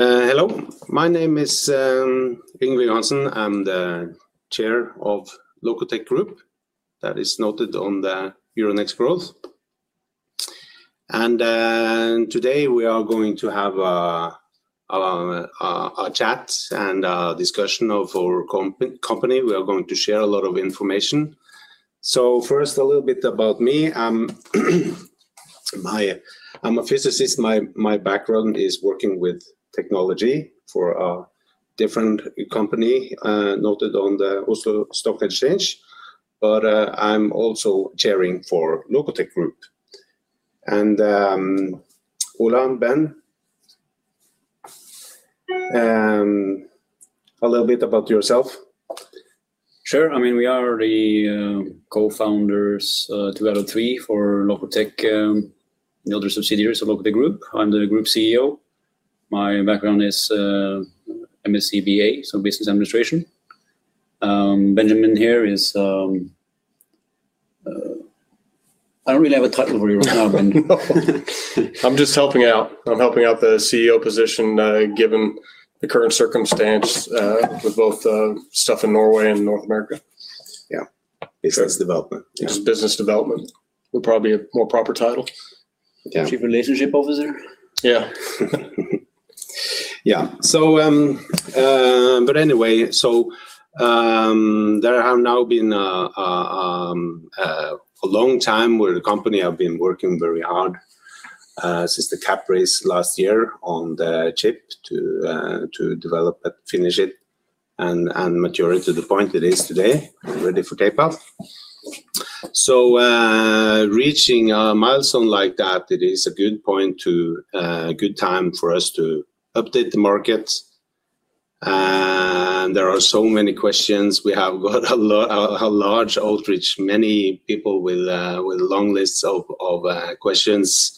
Hello. My name is Yngve Johansen. I'm the chair of Lokotech Group that is listed on the Euronext Growth. Today we are going to have a chat and a discussion of our company. We are going to share a lot of information. First, a little bit about me. I'm a physicist. My background is working with technology for a different company, listed on the Oslo Stock Exchange, but I'm also chairing for Lokotech Group. Ole and Ben, a little bit about yourself. Sure. I mean, we are the co-founders together three for Lokotech, the other subsidiaries of Lokotech Group. I'm the Group CEO. My background is, so Business Administration. Benjamin here is, I don't really have a title for you right now, Ben. I'm just helping out. I'm helping out the CEO position, given the current circumstance, with both stuff in Norway and North America. Yeah. Business development. Yeah. Business development would probably be a more proper title. Yeah. Chief Relationship Officer. Yeah. Yeah. There have now been a long time where the company have been working very hard since the capital raise last year on the chip to develop it, finish it, and mature it to the point it is today, ready for tape-out. Reaching a milestone like that, it is a good point, a good time for us to update the market. There are so many questions. We have got a large outreach, many people with long lists of questions.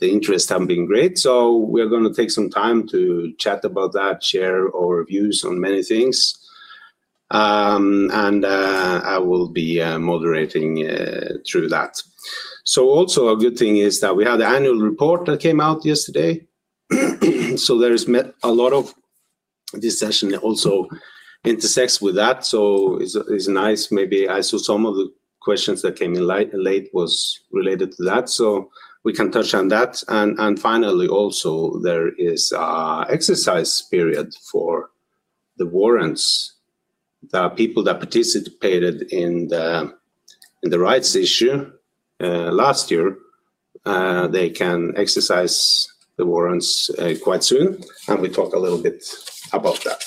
The interest have been great, so we're gonna take some time to chat about that, share our views on many things. I will be moderating through that. Also a good thing is that we had the annual report that came out yesterday. There is a lot of this session that also intersects with that, so it's nice. Maybe I saw some of the questions that came in late was related to that, so we can touch on that. Finally, also, there is a exercise period for the warrants. The people that participated in the rights issue last year they can exercise the warrants quite soon, and we talk a little bit about that.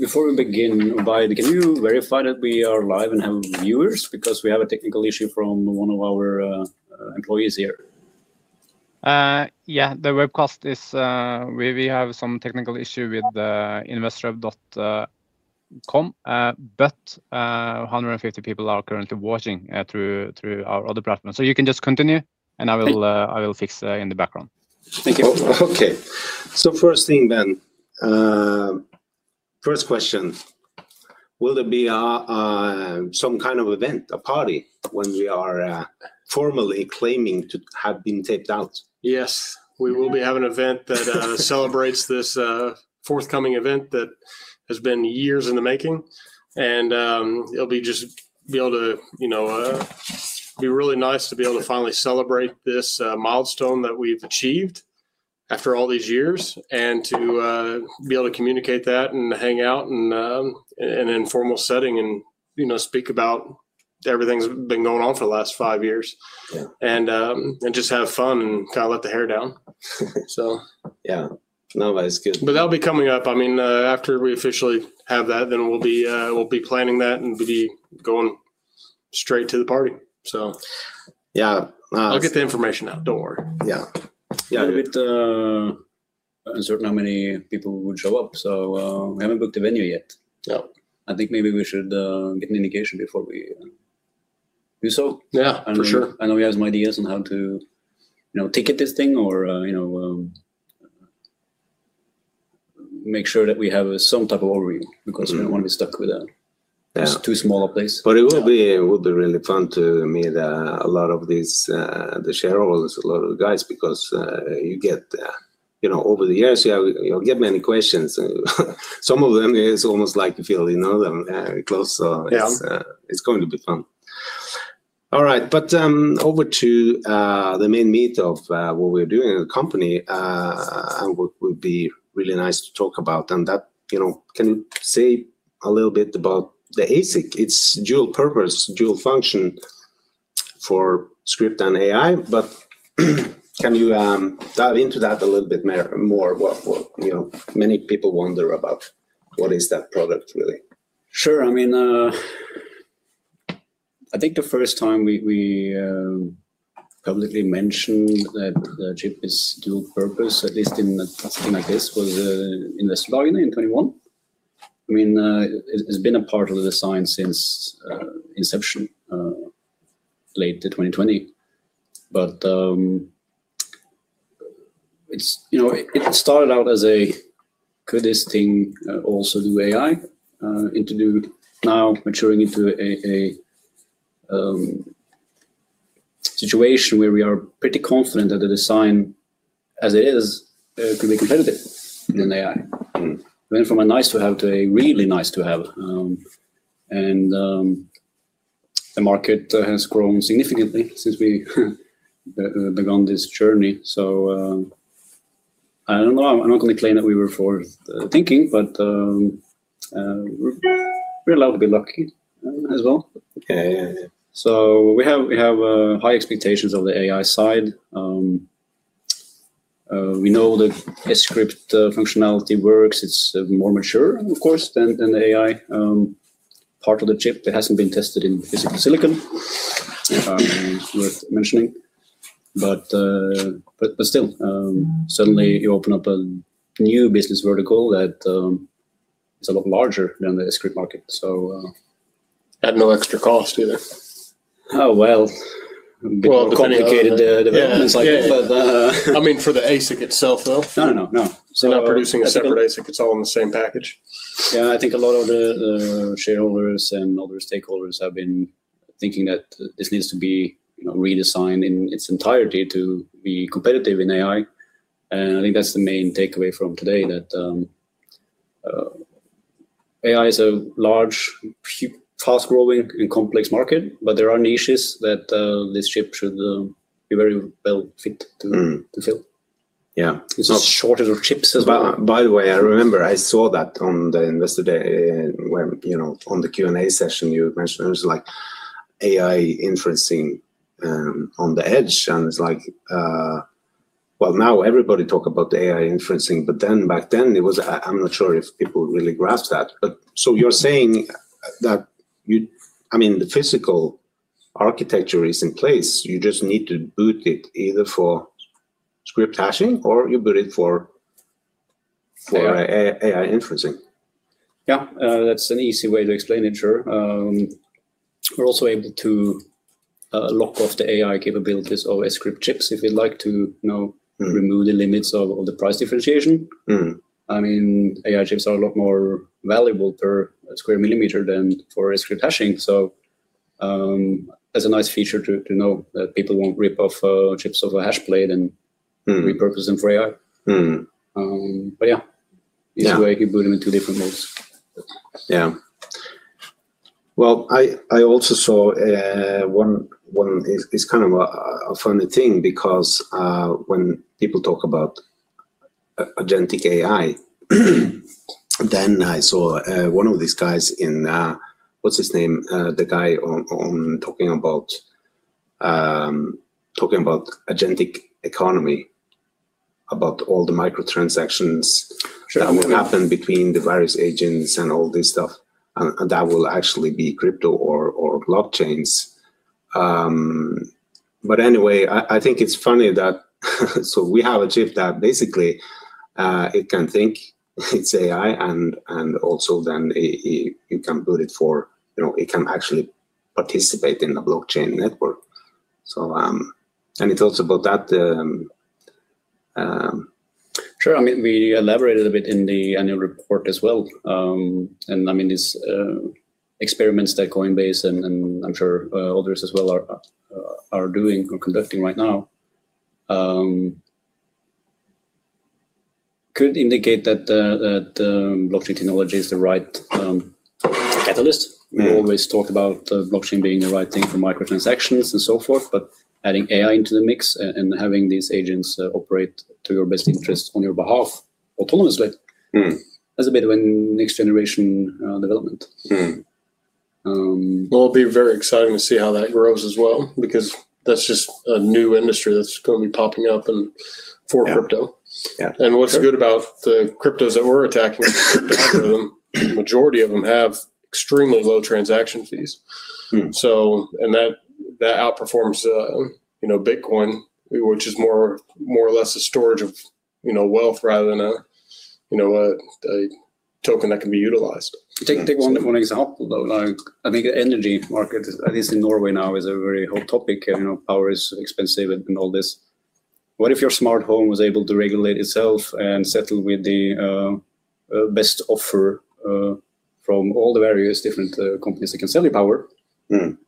Before we begin, [Oby], can you verify that we are live and have viewers? Because we have a technical issue from one of our employees here. Yeah. The webcast is, we have some technical issue with investor.com. 150 people are currently watching through our other platform. You can just continue- Great I will fix in the background. Thank you. Okay. First thing then, first question: Will there be some kind of event, a party, when we are formally claiming to have been tape-out? Yes. We will be having an event that celebrates this forthcoming event that has been years in the making. It'll just be able to, you know, be really nice to be able to finally celebrate this milestone that we've achieved after all these years and to be able to communicate that and hang out in an informal setting and, you know, speak about everything that's been going on for the last five years. Yeah. just have fun and kinda let the hair down. Yeah. No, that is good. That'll be coming up. I mean, after we officially have that, then we'll be planning that and be going straight to the party, so. Yeah. I'll get the information out, don't worry. Yeah. Yeah. A bit uncertain how many people would show up, so we haven't booked a venue yet. No. I think maybe we should get an indication before we do so. Yeah, for sure. I know, I know he has some ideas on how to, you know, ticket this thing or, you know, make sure that we have some type of overview. Mm-hmm Because we don't wanna be stuck with a. Yeah Just too small a place. It will be, it would be really fun to meet a lot of these, the shareholders, a lot of the guys, because you get, you know, over the years, yeah, you'll get many questions and some of them it's almost like you feel you know them very close, so. Yeah. It's going to be fun. All right. Over to the main meat of what we're doing in the company, and would be really nice to talk about and that, you know, can you say a little bit about the ASIC, its dual purpose, dual function for Scrypt and AI? Can you dive into that a little bit more? What, you know, many people wonder about what is that product really? Sure. I mean, I think the first time we publicly mentioned that the chip is dual purpose, at least in something like this, was Investor Day in 2021. I mean, it's been a part of the design since inception late 2020. It's you know it started out as a "Could this thing also do AI?" into the now maturing into a situation where we are pretty confident that the design as it is could be competitive in AI. Mm-hmm. Went from a nice-to-have to a really nice-to-have. The market has grown significantly since we begun this journey. I don't know. I'm not gonna claim that we were forward thinking, but we're allowed to be lucky as well. Okay, yeah. We have high expectations on the AI side. We know the Scrypt functionality works. It's more mature, of course, than the AI part of the chip that hasn't been tested in physical silicon. Worth mentioning. Still, suddenly you open up a new business vertical that is a lot larger than the Scrypt market. At no extra cost either. Oh, well. Well- the complicated Yeah... developments like- Yeah. I mean, for the ASIC itself though. No. Not producing a separate ASIC, it's all in the same package? Yeah, I think a lot of the shareholders and other stakeholders have been thinking that this needs to be, you know, redesigned in its entirety to be competitive in AI. I think that's the main takeaway from today, that AI is a large fast-growing and complex market, but there are niches that this chip should be very well fit to- Mm to fill. Yeah. It's a shortage of chips as well. By the way, I remember I saw that on the Investor Day, when, you know, on the Q&A session you mentioned it was like AI inferencing on the edge. It's like, well, now everybody talk about the AI inferencing, but then back then I'm not sure if people really grasp that. You're saying that you... I mean, the physical architecture is in place, you just need to boot it either for Scrypt hashing or you boot it for- AI AI inferencing. Yeah. That's an easy way to explain it. Sure. We're also able to lock off the AI capabilities of Scrypt chips if you'd like to, you know. Mm Remove the limits of the price differentiation. Mm. I mean, AI chips are a lot more valuable per square millimeter than for Scrypt hashing. That's a nice feature to know that people won't rip off chips of a Hashblade and- Mm Repurpose them for AI. Mm. Yeah. Yeah. Easy way, you can boot them in two different modes. Yeah. Well, I also saw one. It's kind of a funny thing because when people talk about agentic AI, then I saw one of these guys in... What's his name? The guy on talking about agentic economy, about all the micro transactions. Sure... that will happen between the various agents and all this stuff, and that will actually be crypto or blockchains. Anyway, I think it's funny that so we have a chip that basically it can think, it's AI and also then you can boot it for, you know, it can actually participate in the blockchain network. Any thoughts about that? Sure. I mean, we elaborated a bit in the annual report as well. I mean, these experiments that Coinbase and I'm sure others as well are doing or conducting right now could indicate that the blockchain technology is the right catalyst. Mm. We always talk about blockchain being the right thing for micro transactions and so forth, but adding AI into the mix and having these agents operate to your best interest on your behalf autonomously. Mm That's a bit of a next generation development. Mm. Um- Well, it'll be very exciting to see how that grows as well, because that's just a new industry that's gonna be popping up in, for crypto. Yeah. Yeah. What's good about the cryptos that we're attacking. The majority of them have extremely low transaction fees. Mm. That outperforms, you know, Bitcoin, which is more or less a storage of, you know, wealth rather than a, you know, a token that can be utilized. Take one example though, like, I think the energy market, at least in Norway now, is a very hot topic. You know, power is expensive and all this. What if your smart home was able to regulate itself and settle with the best offer from all the various different companies that can sell you power- Mm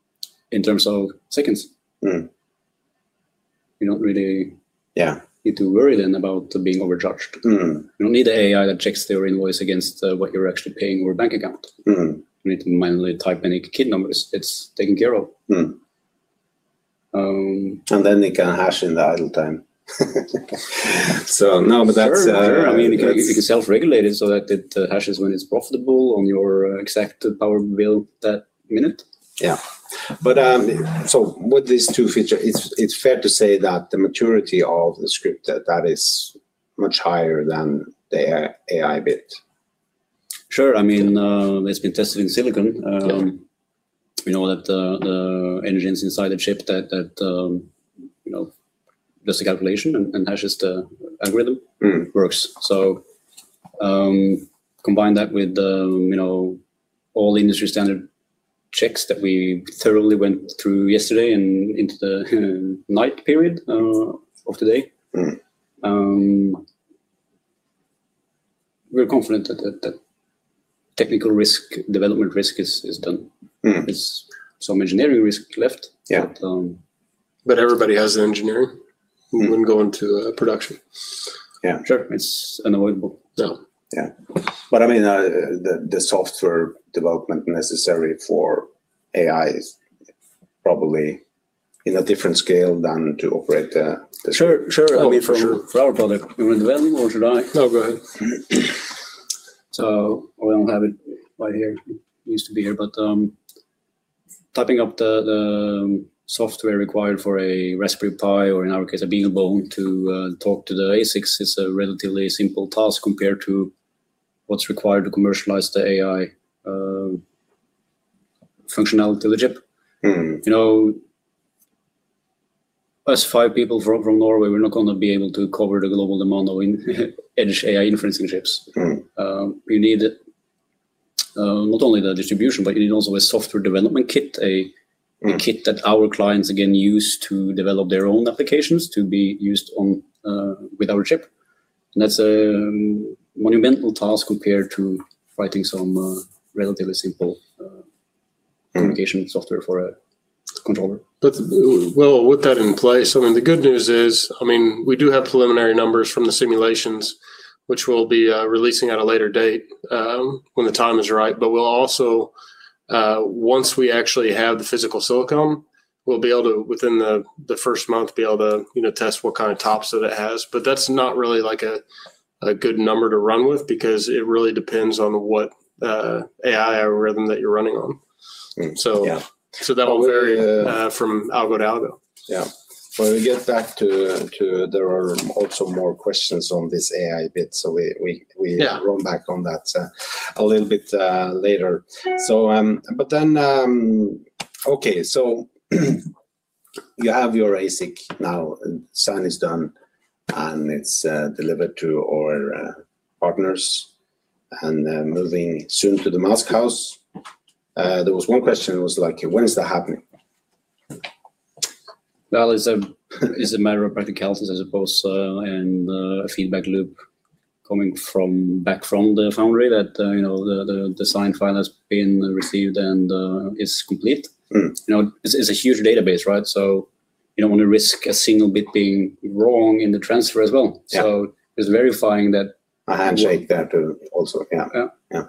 in terms of seconds? Mm. You don't really- Yeah Need to worry then about being overcharged. Mm. You don't need AI that checks their invoice against what you're actually paying your bank account. Mm. You need to manually type any key numbers. It's taken care of. Mm. Um- It can hash in the idle time. No, but that's Sure. I mean. It can self-regulate it so that it hashes when it's profitable on your exact power bill that minute. With these two features, it's fair to say that the maturity of the Scrypt is much higher than the AI bit. Sure. I mean, it's been tested in silicon. Yeah we know that the engines inside the chip that you know does the calculation and hashes the algorithm. Mm... works. Combine that with, you know, all industry standard checks that we thoroughly went through yesterday and into the night period of today. Mm. We're confident that technical risk, development risk is done. Mm. There's some engineering risk left. Yeah. But, um- Everybody has the engineering. Mm... who would go into production. Yeah, sure. It's unavoidable. Yeah. I mean, the software development necessary for AI is probably in a different scale than to operate the chip. Sure, sure. I mean, for our product. Oh, for sure. Do you mind, Ben, or should I? No, go ahead. I don't have it right here, it used to be here, but typing up the software required for a Raspberry Pi, or in our case a BeagleBone, to talk to the ASICs is a relatively simple task compared to what's required to commercialize the AI functionality of the chip. Mm. You know, us five people from Norway, we're not gonna be able to cover the global demand on edge AI inferencing chips. Mm. You need not only the distribution, but you need also a software development kit. Mm ... a kit that our clients, again, use to develop their own applications to be used on, with our chip. That's a monumental task compared to writing some, relatively simple, Mm communication software for a controller. Well, with that in place, I mean, the good news is, I mean, we do have preliminary numbers from the simulations which we'll be releasing at a later date, when the time is right. We'll also, once we actually have the physical silicon, be able to, within the first month, you know, test what kind of top speed it has. That's not really, like, a good number to run with, because it really depends on what AI algorithm that you're running on. Mm. So- Yeah That'll vary from algo to algo. Yeah. When we get back to there are also more questions on this AI bit, so we. Yeah run back on that, a little bit, later. Then, okay, so you have your ASIC now, and design is done, and it's delivered to our partners, and then moving soon to the mask house. There was one question was like, when is that happening? Well, it's a matter of practicalities, I suppose, and a feedback loop coming back from the foundry that, you know, the design file has been received and is complete. Mm. You know, this is a huge database, right? You don't want to risk a single bit being wrong in the transfer as well. Yeah. It's verifying that. A handshake there too also. Yeah. Yeah.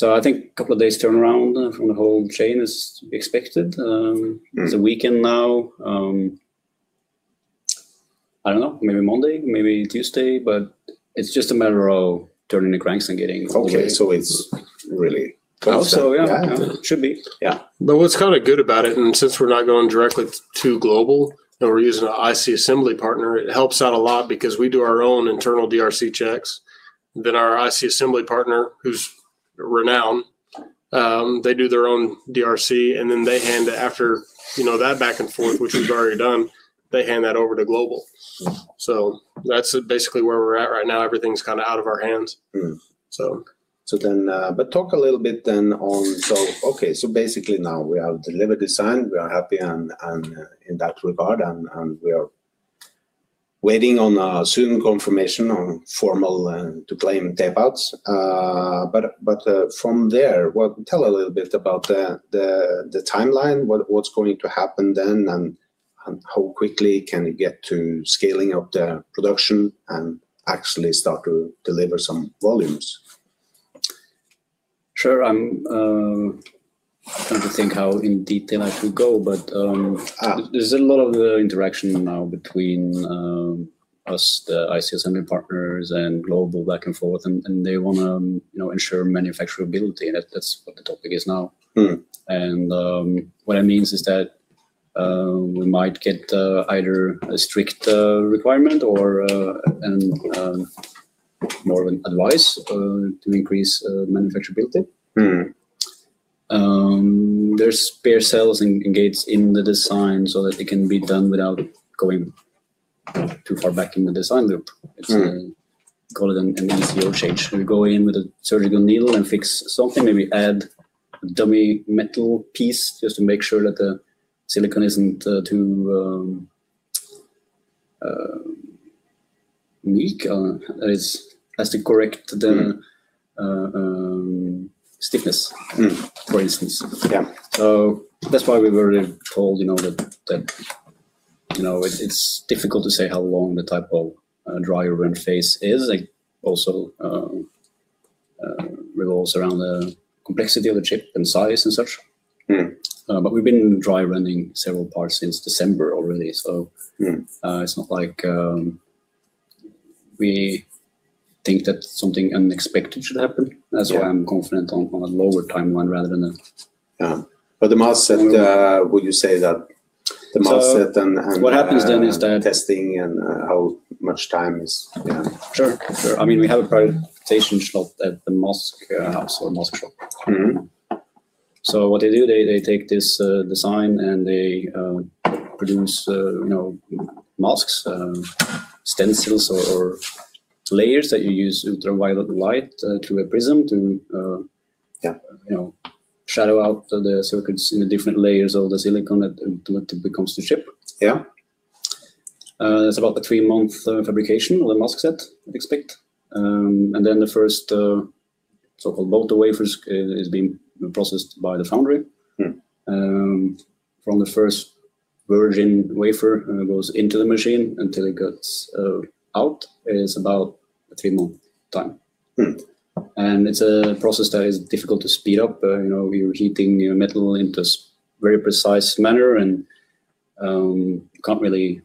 Yeah. I think a couple of days turnaround from the whole chain is expected. Mm... it's the weekend now. I don't know, maybe Monday, maybe Tuesday, but it's just a matter of turning the cranks and getting all the way through. Okay, it's really close then. Well, yeah. Yeah. Should be, yeah. What's kinda good about it, and since we're not going directly to GlobalFoundries, and we're using a IC assembly partner, it helps out a lot because we do our own internal DRC checks. Our IC assembly partner, who's renowned, they do their own DRC, and then they hand, after, you know, that back and forth, which is already done, they hand that over to GlobalFoundries. That's basically where we're at right now. Everything's kinda out of our hands. Talk a little bit then on, okay, basically now we have delivered design, we are happy in that regard, and we are waiting on a soon confirmation on formal end to claim tape-out. From there, tell a little bit about the timeline, what's going to happen then, and how quickly can you get to scaling up the production and actually start to deliver some volumes? Sure. I'm trying to think how in detail I should go, but. Ah There's a lot of interaction now between us, the IC assembly partners, and GlobalFoundries back and forth, and they wanna, you know, ensure manufacturability. That's what the topic is now. Mm. What it means is that we might get either a strict requirement or more of an advice to increase manufacturability. Mm. There's spare cells engaged in the design so that it can be done without going too far back in the design loop. Mm. It's call it an easy ECO. We go in with a surgical needle and fix something, maybe add a dummy metal piece just to make sure that the silicon isn't too weak, or it has the correct stiffness. Mm for instance. Yeah. that's why we've already told, you know, that you know, it's difficult to say how long the type of dry run phase is, like, also revolves around the complexity of the chip and size and such. Mm. We've been dry running several parts since December already. Mm It's not like we think that something unexpected should happen. Yeah. That's why I'm confident on a lower timeline rather than a. Yeah. The mask set, would you say that the mask set and hand- What happens then is that. testing and how much time is, yeah? Sure, sure. I mean, we have a qualification shop at the mask house, or mask shop. Mm-hmm. What they do, they take this design, and they produce, you know, masks, stencils or layers that you use ultraviolet light through a prism to. Yeah You know, shadow out the circuits in the different layers of the silicon until it becomes the chip. Yeah. It's about a three-month fabrication of the mask set, I'd expect. Then the first so-called multi-project wafers is being processed by the foundry. Mm. From the first virgin wafer goes into the machine until it gets out is about a three-month time. Mm. It's a process that is difficult to speed up. You know, you're heating your metal in this very precise manner, and you can't really,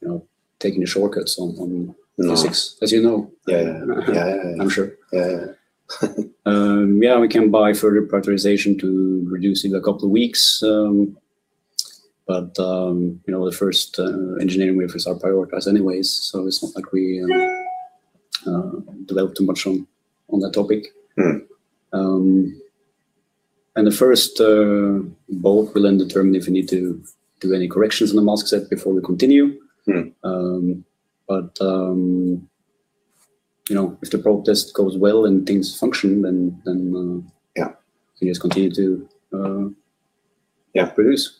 you know, taking shortcuts on- No Physics, as you know. Yeah. I'm sure. Yeah. Yeah, we can buy further prioritization to reducing a couple of weeks. You know, the first engineering wafers are prioritized anyways, so it's not like we develop too much on that topic. Mm. The first build will then determine if we need to do any corrections on the mask set before we continue. Mm. You know, if the probe test goes well and things function then. Yeah... we just continue to, Yeah produce.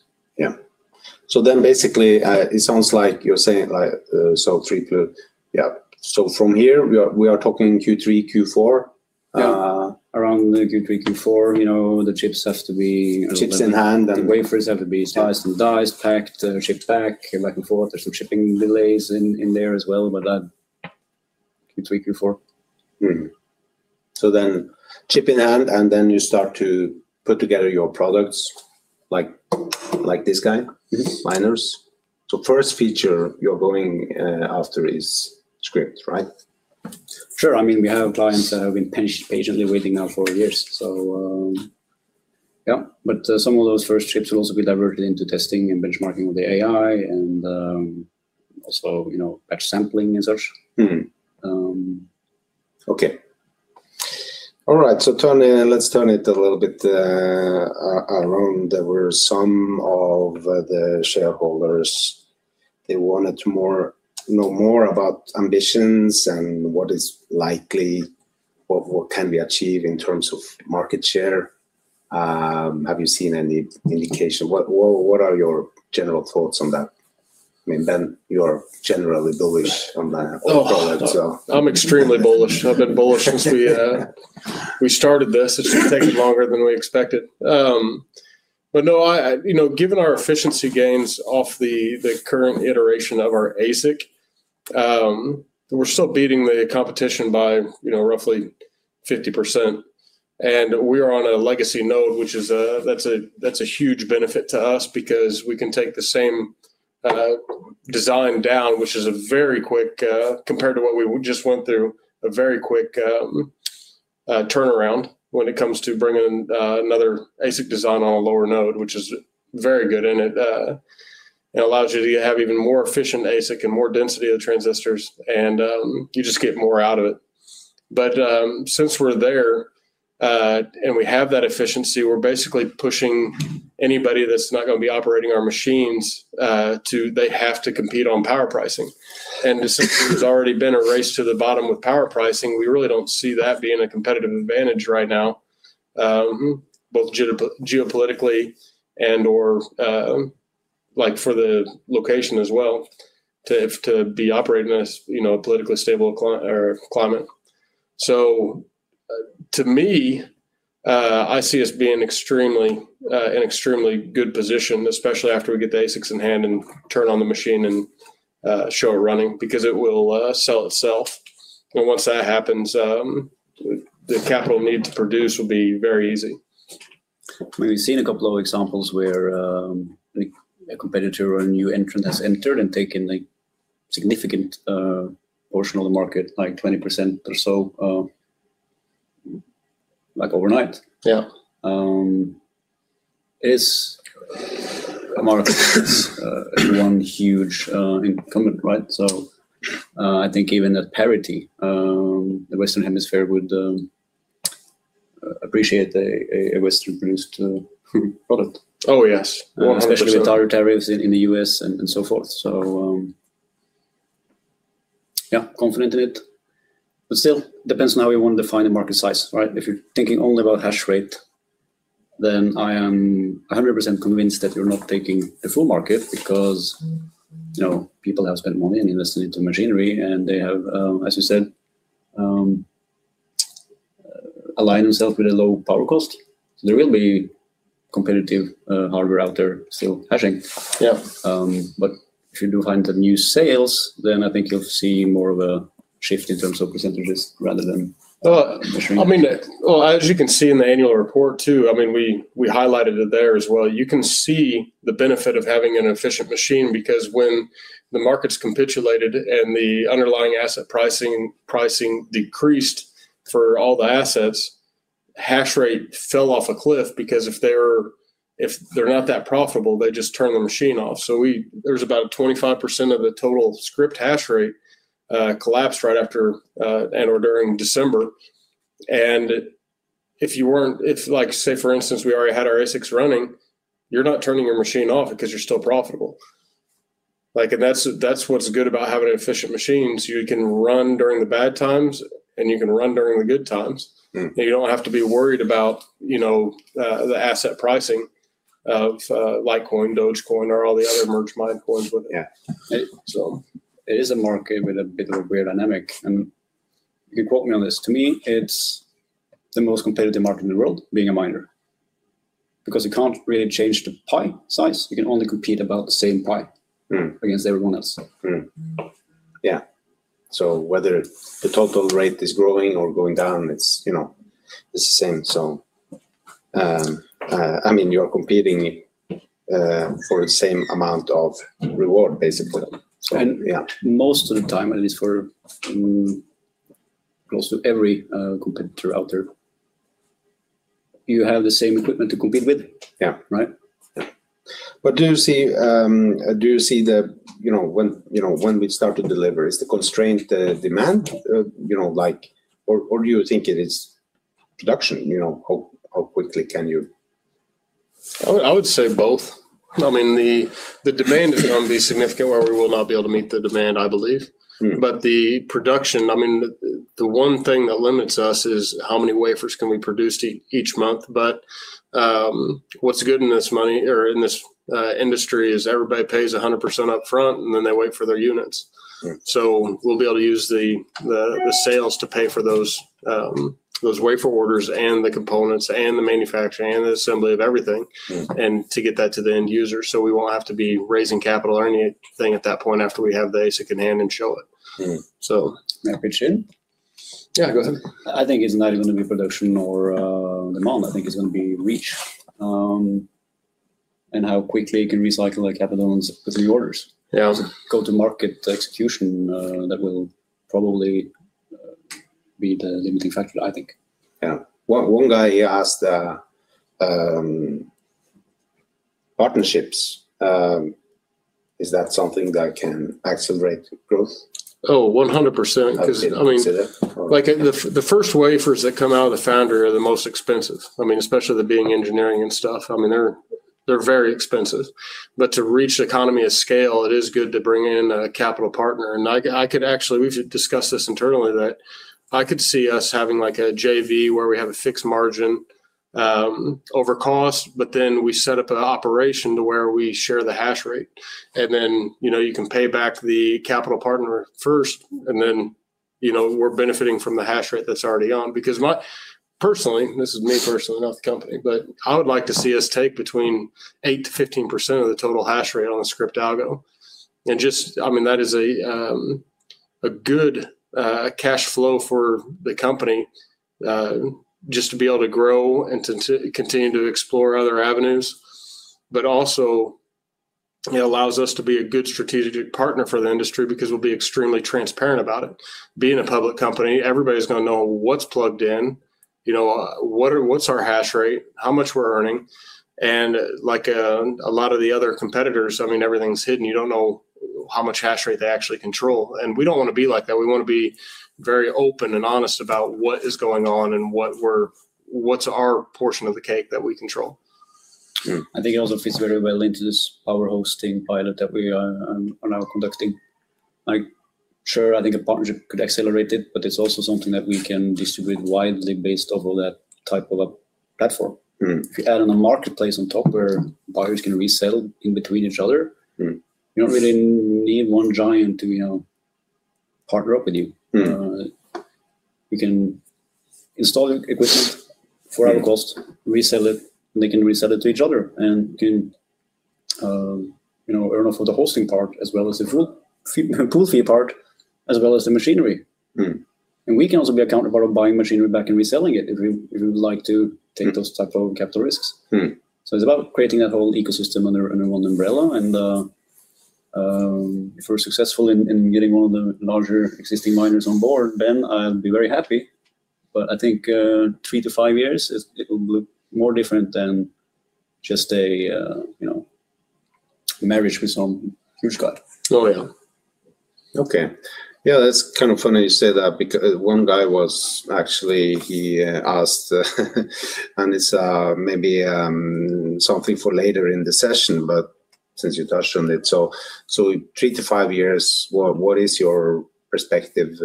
Yeah. Basically, it sounds like you're saying, like, so from here we are talking Q3, Q4. Yeah. Around the Q3, Q4, you know, the chips have to be. Chips in hand. The wafers have to be sliced and diced, packed, shipped back, came back and forth. There's some shipping delays in there as well, but that Q3, Q4. Chip in hand, and then you start to put together your products like this guy. Mm-hmm. Miners. First feature you're going after is Scrypt, right? Sure. I mean, we have clients that have been patiently waiting now for years, so, yeah. Some of those first chips will also be diverted into testing and benchmarking of the AI and, also, you know, batch sampling as such. Mm. Um... Okay. All right. Let's turn it a little bit around. There were some of the shareholders, they wanted to know more about ambitions and what is likely, what can be achieved in terms of market share. Have you seen any indication? What are your general thoughts on that? I mean, Ben, you are generally bullish on that product as well. Oh, I'm extremely bullish. I've been bullish since we started this. It's just taken longer than we expected. No, I you know, given our efficiency gains off the current iteration of our ASIC, we're still beating the competition by you know, roughly 50%. We are on a legacy node, which is a huge benefit to us because we can take the same design down, which is a very quick turnaround compared to what we just went through when it comes to bringing another ASIC design on a lower node, which is very good. It allows you to have even more efficient ASIC and more density of the transistors and you just get more out of it. Since we're there and we have that efficiency, we're basically pushing anybody that's not gonna be operating our machines to compete on power pricing. Since there's already been a race to the bottom with power pricing, we really don't see that being a competitive advantage right now. Mm-hmm Both geopolitically and/or like for the location as well to have to be operating as, you know, a politically stable climate. To me, I see us being in extremely good position, especially after we get the ASICs in hand and turn on the machine and show it running because it will sell itself. Once that happens, the capital need to produce will be very easy. We've seen a couple of examples where, like a competitor or a new entrant has entered and taken a significant portion of the market, like 20% or so, like overnight. Yeah. It's a market that's one huge incumbent, right? I think even at parity, the Western Hemisphere would appreciate a Western-produced product. Oh, yes. 100%. Especially with our tariffs in the U.S. and so forth. Yeah, confident in it. Still depends on how we wanna define the market size, right? If you're thinking only about hash rate, then I am 100% convinced that we're not taking the full market because, you know, people have spent money and invested into machinery, and they have, as you said, aligned themselves with a low power cost. There will be competitive hardware out there still hashing. Yeah. If you do find the new sales, then I think you'll see more of a shift in terms of percentages rather than machines. Well, I mean, as you can see in the annual report too, I mean, we highlighted it there as well. You can see the benefit of having an efficient machine because when the markets capitulated and the underlying asset pricing decreased for all the assets, hash rate fell off a cliff because if they're not that profitable, they just turn the machine off. There's about 25% of the total Scrypt hash rate collapsed right after and/or during December. If, like, say for instance, we already had our ASICs running, you're not turning your machine off because you're still profitable. Like, and that's what's good about having an efficient machine, so you can run during the bad times, and you can run during the good times. Mm. You don't have to be worried about, you know, the asset pricing of Litecoin, Dogecoin or all the other merged mined coins with it. Yeah. It is a market with a bit of a dynamic. You can quote me on this. To me, it's the most competitive market in the world being a miner because you can't really change the pie size. You can only compete about the same pie. Mm. against everyone else. Mm-hmm. Yeah. Whether the total rate is growing or going down, it's, you know, the same. I mean, you're competing for the same amount of reward basically. And- Yeah... most of the time, at least for close to every competitor out there, you have the same equipment to compete with. Yeah. Right? Do you see, you know, when we start to deliver, is the constraint the demand? You know, like or do you think it is production? You know, how quickly can you- I would say both. I mean, the demand is gonna be significant where we will not be able to meet the demand, I believe. Mm. The production, I mean, the one thing that limits us is how many wafers can we produce each month. What's good in this market or in this industry is everybody pays 100% up front, and then they wait for their units. Mm. We'll be able to use the sales to pay for those wafer orders and the components and the manufacturing and the assembly of everything. Mm to get that to the end user. We won't have to be raising capital or anything at that point after we have the ASIC in hand and show it. Mm. So- May I pitch in? Yeah, go ahead. I think it's not even gonna be production or demand. I think it's gonna be reach, and how quickly you can recycle the capital gains with new orders. Yeah. Go-to-market execution, that will probably be the limiting factor, I think. Yeah. One guy, he asked, partnerships, is that something that can accelerate growth? Oh, 100% because I didn't consider. I mean, like, the first wafers that come out of the foundry are the most expensive. I mean, especially they're being engineered and stuff. I mean, they're very expensive. To reach economies of scale, it is good to bring in a capital partner. I could actually we've discussed this internally, that I could see us having, like, a JV where we have a fixed margin over cost, but then we set up an operation to where we share the hash rate. You know, you can pay back the capital partner first, and then you know, we're benefiting from the hash rate that's already on. Because personally, this is me personally, not the company, but I would like to see us take between 8%-15% of the total hash rate on the Scrypt algo. Just, I mean, that is a good cash flow for the company, just to be able to grow and to continue to explore other avenues. Also, it allows us to be a good strategic partner for the industry because we'll be extremely transparent about it. Being a public company, everybody's gonna know what's plugged in, you know, what's our hash rate, how much we're earning. Like, a lot of the other competitors, I mean, everything's hidden. You don't know how much hash rate they actually control, and we don't wanna be like that. We wanna be very open and honest about what is going on and what's our portion of the cake that we control. Mm. I think it also fits very well into this power hosting pilot that we are now conducting. Like, sure, I think a partnership could accelerate it, but it's also something that we can distribute widely based off of that type of a platform. Mm. If you add in a marketplace on top where buyers can resell in between each other. Mm... you don't really need one giant to, you know, partner up with you. Mm. You can install the equipment for our cost- Mm resell it, and they can resell it to each other, and can, you know, earn off of the hosting part as well as the pool fee part, as well as the machinery. Mm. We can also be accountable of buying machinery back and reselling it if we would like to take those type of capital risks. Mm. It's about creating that whole ecosystem under one umbrella. If we're successful in getting one of the larger existing miners on board, then I'll be very happy. I think 3-5 years it will look more different than just a you know marriage with some huge guy. Oh, yeah. Okay. Yeah, that's kind of funny you say that because one guy was actually, he asked and it's, maybe, something for later in the session, but since you touched on it. In 3-5 years, what is your perspective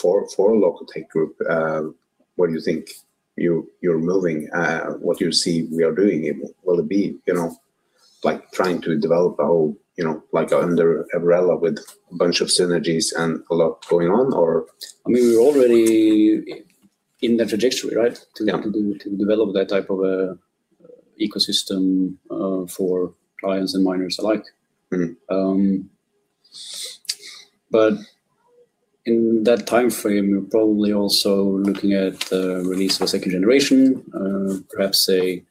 for Lokotech Group, where you think you're moving, what you see we are doing? Will it be, you know, like trying to develop a whole, you know, like under umbrella with a bunch of synergies and a lot going on or- I mean, we're already in the trajectory, right? Yeah. To develop that type of a ecosystem for clients and miners alike. Mm. In that timeframe, we're probably also looking at the release of a second generation, perhaps a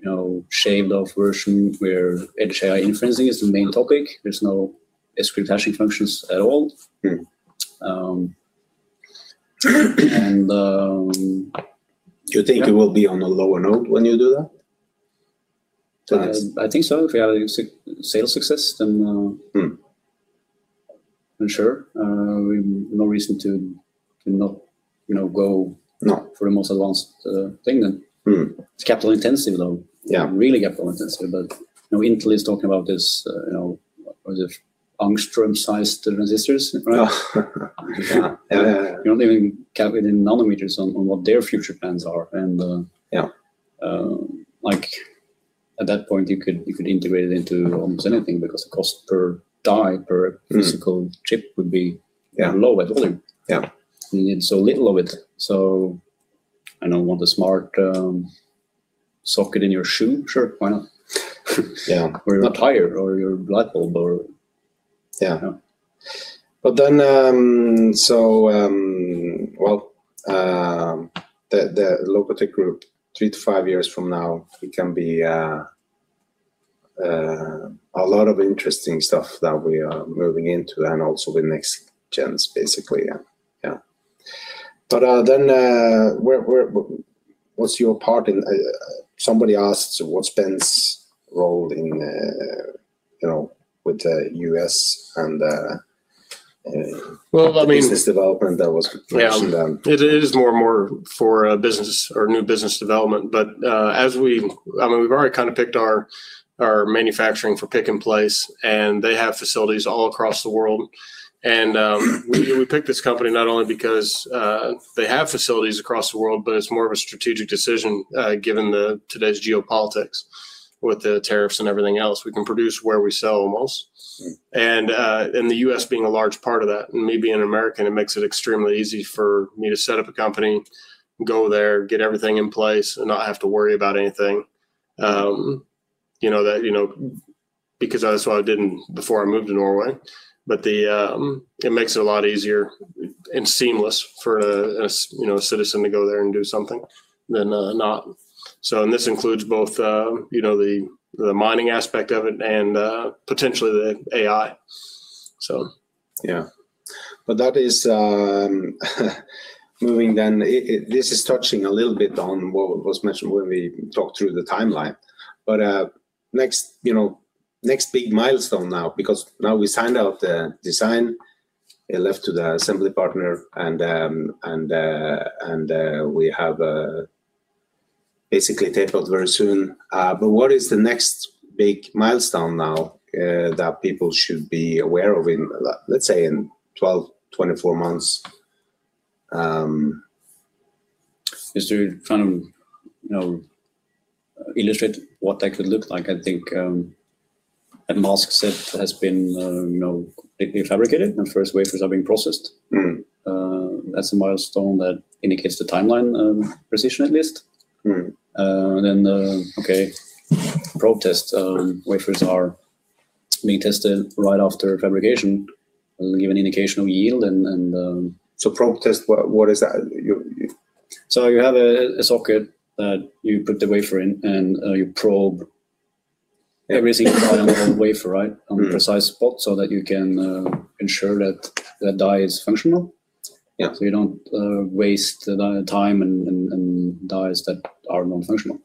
you know, shaved off version where edge AI inferencing is the main topic. There's no Scrypt hashing functions at all. Mm. Um, and, um- Do you think it will be on a lower note when you do that? I think so. If we have a sales success, then Mm I'm sure, we've no reason to not, you know, go. No for the most advanced thing then. Mm. It's capital intensive though. Yeah. Really capital intensive. Intel is talking about this, what is it? Angstrom-sized transistors, right? Yeah. You're not even counting in nanometers on what their future plans are and. Yeah... um, like-At that point you could integrate it into almost anything because the cost per die, per- Mm-hmm physical chip would be. Yeah Low, I think. Yeah. You need so little of it. I don't want the smart socket in your shoe. Sure, why not? Yeah. Your tire or your light bulb. Yeah. You know. Well, the Lokotech Group 3-5 years from now, it can be a lot of interesting stuff that we are moving into and also the next gens basically. Yeah. Yeah. What's your part in? Somebody asked what's Ben's role in, you know, with the U.S. and Well, I mean. The business development that was mentioned. Yeah. It is more and more for business or new business development. I mean, we've already kind of picked our manufacturing for pick and place, and they have facilities all across the world. We picked this company not only because they have facilities across the world, but it's more of a strategic decision, given today's geopolitics with the tariffs and everything else. We can produce where we sell the most. Mm. The U.S. being a large part of that, and me being an American, it makes it extremely easy for me to set up a company, go there, get everything in place, and not have to worry about anything. You know you know, because that's what I didn't before I moved to Norway. It makes it a lot easier and seamless for a you know, a citizen to go there and do something than not. This includes both you know, the mining aspect of it and potentially the AI. That is touching a little bit on what was mentioned when we talked through the timeline. Next, you know, big milestone now, because now we signed out the design, it left to the assembly partner and we have basically tape-out very soon. What is the next big milestone now that people should be aware of in, let's say, 12-24 months? Just to kind of, you know, illustrate what that could look like, I think, a mask set has been, you know, completely fabricated and first wafers are being processed. Mm. That's a milestone that indicates the timeline precision at least. Mm. Probe test wafers are being tested right after fabrication will give an indication of yield and. Probe test, what is that? You have a socket that you put the wafer in and you probe every single- Yeah... die on the wafer, right? Mm. On the precise spot so that you can ensure that the die is functional. Yeah. You don't waste time and dies that are non-functional.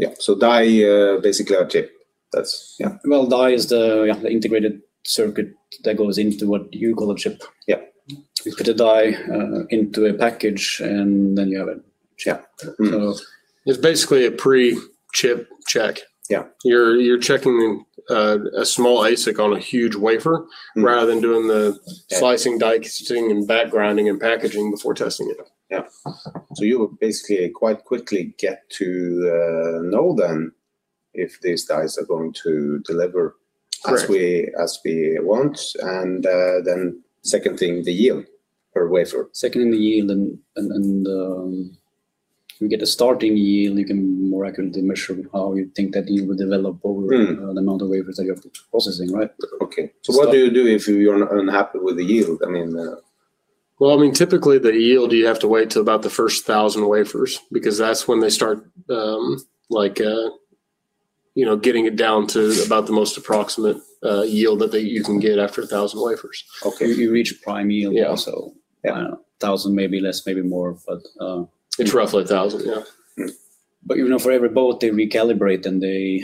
Yeah. Die basically a chip. Yeah. Well, die is the, yeah, the integrated circuit that goes into what you call a chip. Yeah. You put a die into a package, and then you have a chip. Yeah. It's basically a pre-chip check. Yeah. You're checking a small ASIC on a huge wafer. Mm Rather than doing the slicing, dicing, and backgrinding and packaging before testing it. Yeah. You basically quite quickly get to know then if these dies are going to deliver. Correct... as we want, and then second thing, the yield per wafer. Seconding the yield, you get a starting yield, you can more accurately measure how you think that yield will develop over- Mm the amount of wafers that you're processing. Right? Okay. So- What do you do if you are unhappy with the yield? I mean, Well, I mean, typically the yield, you have to wait till about the first 1,000 wafers, because that's when they start, like, you know, getting it down to about the most approximate yield that they, you can get after 1,000 wafers. Okay. You reach a prime yield. Yeah Also. Yeah. I don't know, 1,000, maybe less, maybe more, but. It's roughly 1,000. Yeah. Mm. You know, for every boat they recalibrate and they,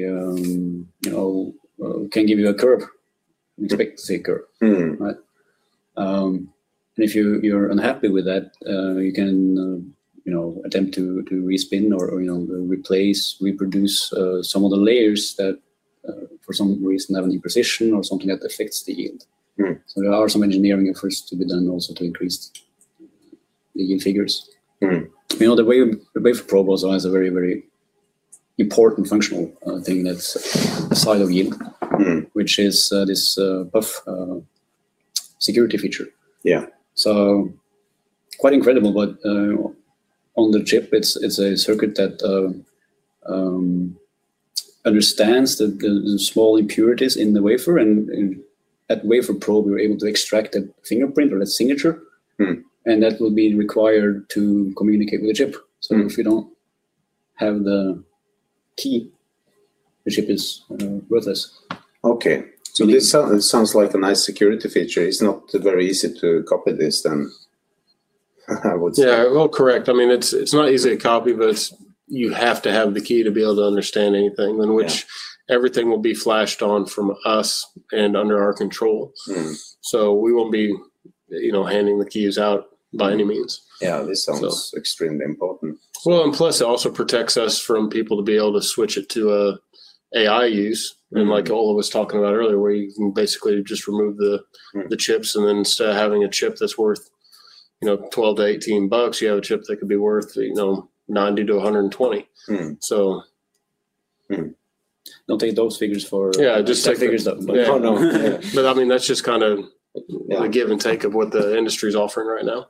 you know, can give you a curve. Expect a curve. Mm. Right? If you're unhappy with that, you can, you know, attempt to respin or, you know, replace, reproduce some of the layers that, for some reason, have any precision or something that affects the yield. Mm. There are some engineering efforts to be done also to increase the yield figures. Mm. You know, the way the wafer probe also has a very, very important functional, thing that's a sign of yield. Mm... which is this PUF security feature. Yeah. Quite incredible. On the chip, it's a circuit that understands the small impurities in the wafer and at wafer probe, we were able to extract a fingerprint or a signature. Mm. That will be required to communicate with the chip. Mm. If you don't have the key, the chip is worthless. Okay. This sound Yeah Sounds like a nice security feature. It's not very easy to copy this, then I would say. Yeah. Well, correct. I mean, it's not easy to copy, but it's, you have to have the key to be able to understand anything. Yeah. Which everything will be flashed on from us and under our control. Mm. We won't be, you know, handing the keys out by any means. Yeah. It sounds So Extremely important. Well, plus it also protects us from people to be able to switch it to an AI use. Mm. Like Ola was talking about earlier, where you can basically just remove the- Mm the chips and then instead of having a chip that's worth- You know, $12-$18, you have a chip that could be worth, you know, $90-$120. Mm. So... Mm. Don't take those figures for- Yeah, just take figures that. Oh, no. I mean, that's just kind of. Yeah the give and take of what the industry's offering right now.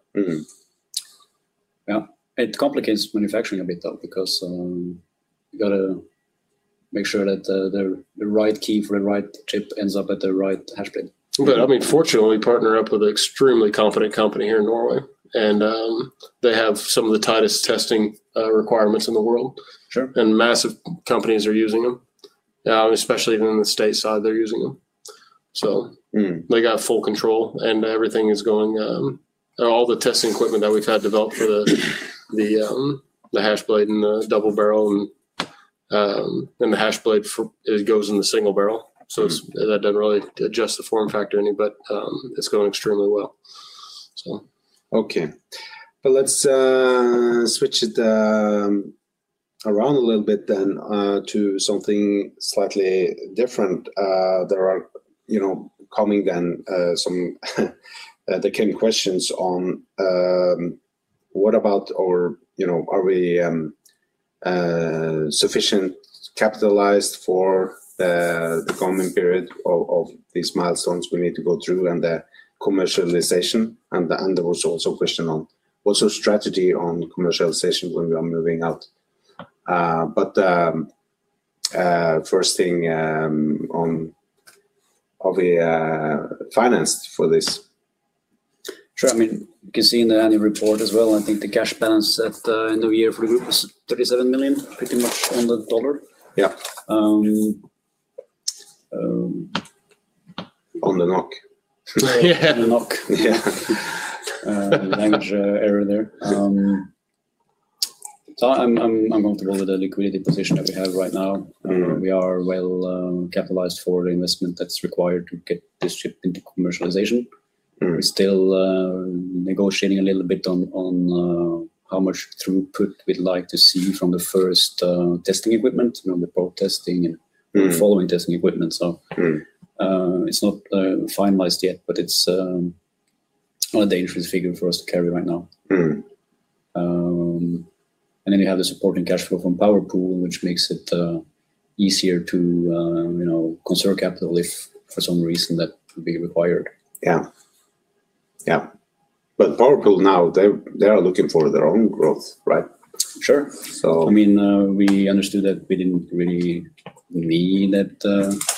It complicates manufacturing a bit though, because you gotta make sure that the right key for the right chip ends up at the right Hashblade. I mean, fortunately, we partner up with an extremely confident company here in Norway. They have some of the tightest testing requirements in the world. Sure. Massive companies are using them. Especially in the States side, they're using them. Mm They got full control, and everything is going. All the testing equipment that we've had developed for the Hashblade and the DoubleBarrel and the Hashblade for it goes in the SingleBarrel. Mm. It's that doesn't really adjust the form factor any, but it's going extremely well. Okay. Let's switch it around a little bit then to something slightly different. There came questions on what about or, you know, are we sufficiently capitalized for the coming period of these milestones we need to go through and the commercialization? There was also a question on what's our strategy on commercialization when we are moving out? First thing on the finance for this. Sure. I mean, you can see in the annual report as well. I think the cash balance at the end of the year for the group was $37 million, pretty much on the dollar. Yeah. Um, um- On the knock. Yeah. On the knock. Yeah. Language error there. I'm comfortable with the liquidity position that we have right now. Mm. We are well capitalized for the investment that's required to get this chip into commercialization. Mm. We're still negotiating a little bit on how much throughput we'd like to see from the first testing equipment. You know, the probe testing and- Mm the following testing equipment. Mm It's not finalized yet, but it's not a dangerous figure for us to carry right now. Mm. You have the supporting cash flow from PowerPool.io, which makes it easier to, you know, conserve capital if for some reason that would be required. Yeah. PowerPool.io now, they are looking for their own growth, right? Sure. So- I mean, we understood that we didn't really need that.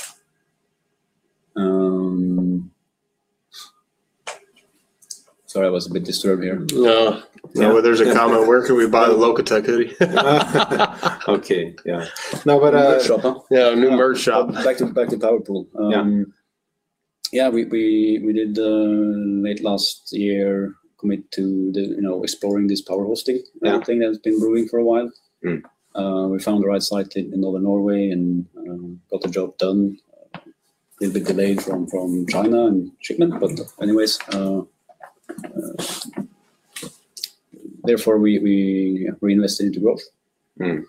Sorry, I was a bit disturbed here. No. No, there's a comment, "Where can we buy the Lokotech hoodie? Okay. Yeah. No, but. New merch shop, huh? Yeah, new merch shop. back to PowerPool.io. Yeah... yeah, we did, late last year, commit to the, you know, exploring this power hosting. Yeah... thing that's been brewing for a while. Mm. We found the right site in northern Norway and got the job done. With a delay from China in shipment. Anyways, therefore we reinvested into growth. Mm.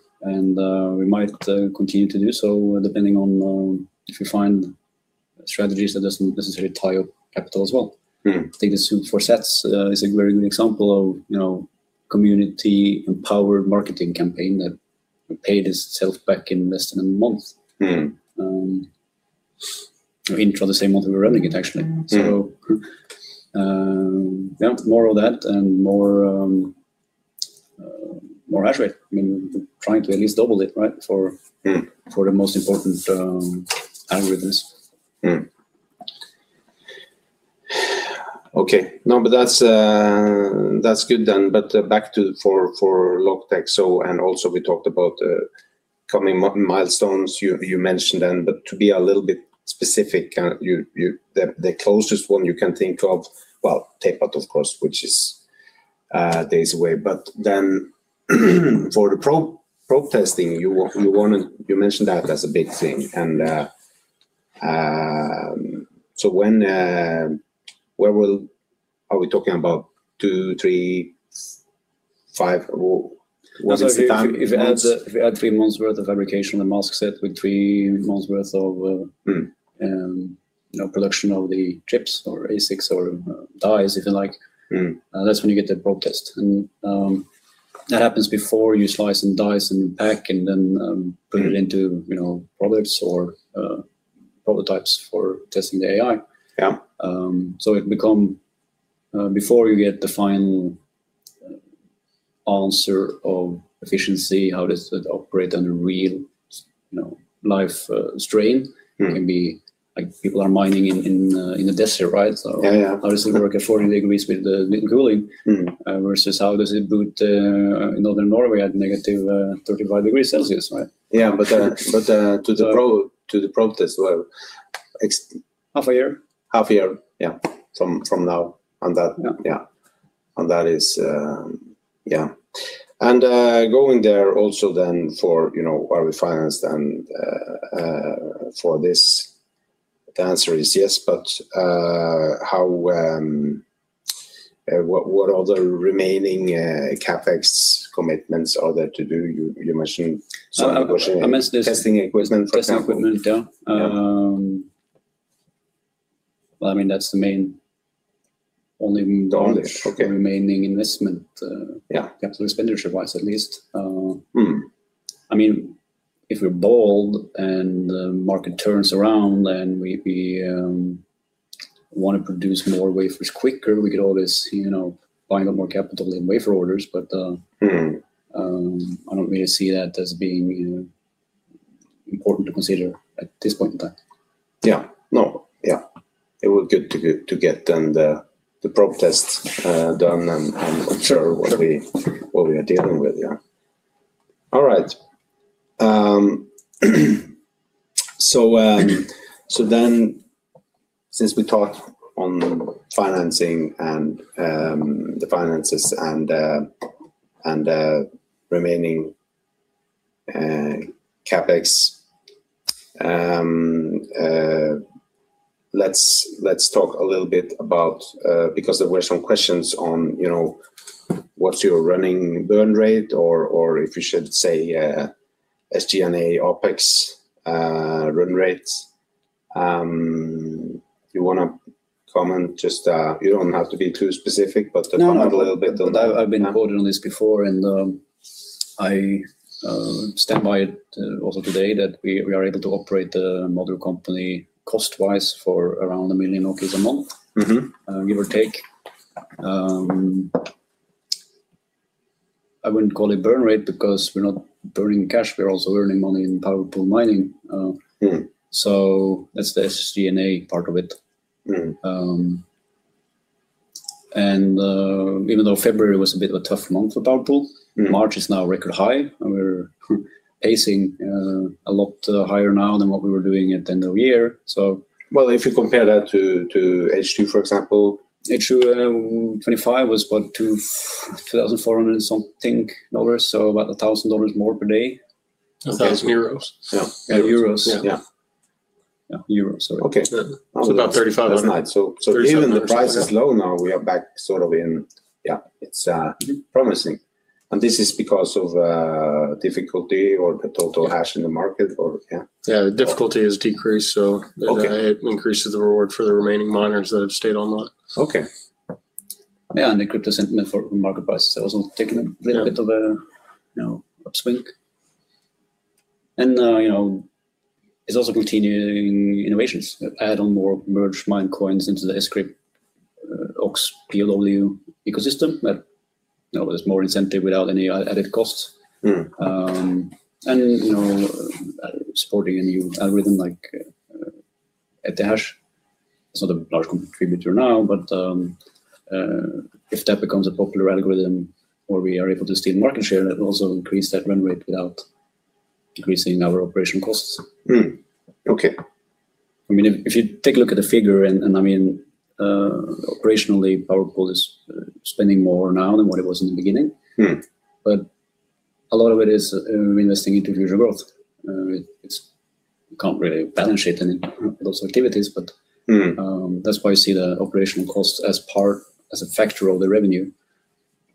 We might continue to do so, depending on if we find strategies that doesn't necessarily tie up capital as well. Mm. I think the [Suits for Sats] is a very good example of, you know, community empowered marketing campaign that paid itself back in less than a month. Mm. In the same month we were running it actually. Mm. Yeah, more of that and more hash rate. I mean, trying to at least double it, right? Mm... for the most important algorithms. That's good then. Back to Lokotech, and also we talked about coming milestones. You mentioned them, but to be a little bit specific, the closest one you can think of, well, tape-out of course, which is days away. Then for the probe test, you mentioned that as a big thing. So when, where will. Are we talking about two, three, five? What is the time in months? If we add three months worth of fabrication and mask set with three months worth of Mm You know, production of the chips or ASICs or dies if you like. Mm That's when you get the probe test. That happens before you slice and dice and pack and then put it into, you know, products or prototypes for testing the AI. Yeah. Before you get the final answer of efficiency, how does it operate under real-life, you know, strain? Mm. It can be like people are mining in the desert, right? Yeah, yeah.... how does it work at 40 degrees with liquid cooling? Mm. Versus how does it boot in northern Norway at negative 35 degrees Celsius, right? Yeah. To the probe test. Well, Half a year. Half a year. Yeah. From now. Yeah Yeah. That is yeah. Going there also then for you know are we financed and for this? The answer is yes, but how what are the remaining CapEx commitments are there to do? You mentioned some negotiating I mentioned. Testing equipment, for example. testing equipment. Yeah. Well, I mean, that's the main only. dollar. Okay remaining investment. Yeah Capital expenditure-wise at least. Mm. I mean, if we're bold and the market turns around, then we wanna produce more wafers quicker. We could always, you know, bind up more capital in wafer orders. Mm I don't really see that as being important to consider at this point in time. Yeah. No, yeah. It will get the probe tests done and- Sure Ensure what we are dealing with. Yeah. All right. Since we talked on financing and the finances and remaining CapEx, let's talk a little bit about because there were some questions on, you know, what's your running burn rate or if you should say SG&A OpEx run rates. You wanna comment just, you don't have to be too specific- No, no. comment a little bit on that. Yeah. I've been quoted on this before, and I stand by it also today that we are able to operate the mother company cost-wise for around 1 million a month. Mm-hmm. Give or take. I wouldn't call it burn rate because we're not burning cash. We're also earning money in PowerPool.io mining. Mm That's the SG&A part of it. Mm. Even though February was a bit of a tough month for PowerPool.io. Mm March is now record high, and we're pacing a lot higher now than what we were doing at the end of the year, so. Well, if you compare that to H2 for example. H2 2025 was about 2,400 and something, so about $1,000 more per day. Okay. 1,000 euros. Yeah. Euro. Yeah. Yeah. Euro, sorry. Okay. It's about 3,500. That's nice. NOK 3,500 Even the price is low now. We are back sort of in, yeah, it's promising. This is because of difficulty or the total hash in the market or, yeah? The difficulty has decreased so. Okay It increases the reward for the remaining miners that have stayed online. Okay. Yeah, the crypto sentiment for market prices has also taken a little bit. Yeah of a you know upswing. You know, it's also continuing innovations, adding more merge mined coins into the Scrypt AuxPoW ecosystem that you know there's more incentive without any added costs. Mm. You know, supporting a new algorithm like Ethash. It's not a large contributor now, but if that becomes a popular algorithm or we are able to steal market share, that will also increase that run rate without decreasing our operation costs. Okay. I mean, if you take a look at the figure and I mean, operationally PowerPool.io is spending more now than what it was in the beginning. Mm. A lot of it is investing into future growth. It's we can't really balance sheet any of those activities, but Mm That's why you see the operational cost as a factor of the revenue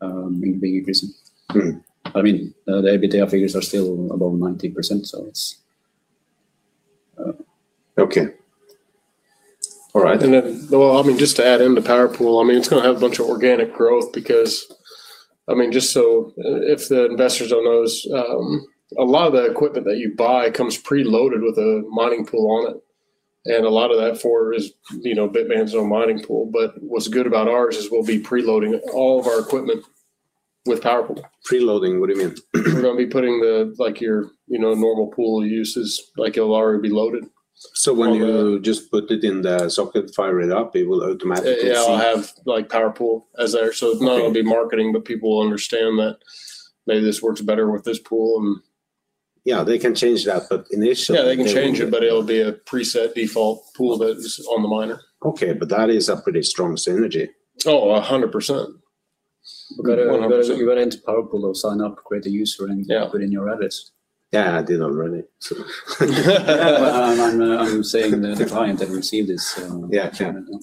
being increasing. Mm. I mean, the EBITDA figures are still above 19%, so it's. Okay. All right. Well, I mean, just to add into PowerPool.io, I mean, it's gonna have a bunch of organic growth because, I mean, just so if the investors don't know this, a lot of that equipment that you buy comes preloaded with a mining pool on it, and a lot of that is, you know, Bitmain's own mining pool. But what's good about ours is we'll be preloading all of our equipment with PowerPool.io. Preloading, what do you mean? We're gonna be putting like your, you know, normal pool uses. Like it'll already be loaded. When you just put it in the socket, fire it up, it will automatically see. Yeah, it'll have, like, PowerPool.io as there. Not only be marketing, but people will understand that maybe this works better with this pool and- Yeah, they can change that, but initially they will. Yeah, they can change it, but it'll be a preset default pool that's on the miner. Okay. That is a pretty strong synergy. Oh, 100%. You gotta enter PowerPool.io, though. Sign up, create a user, and Yeah Put in your address. Yeah, I did already. Well, I'm saying the client that received this. Yeah. Sure from you.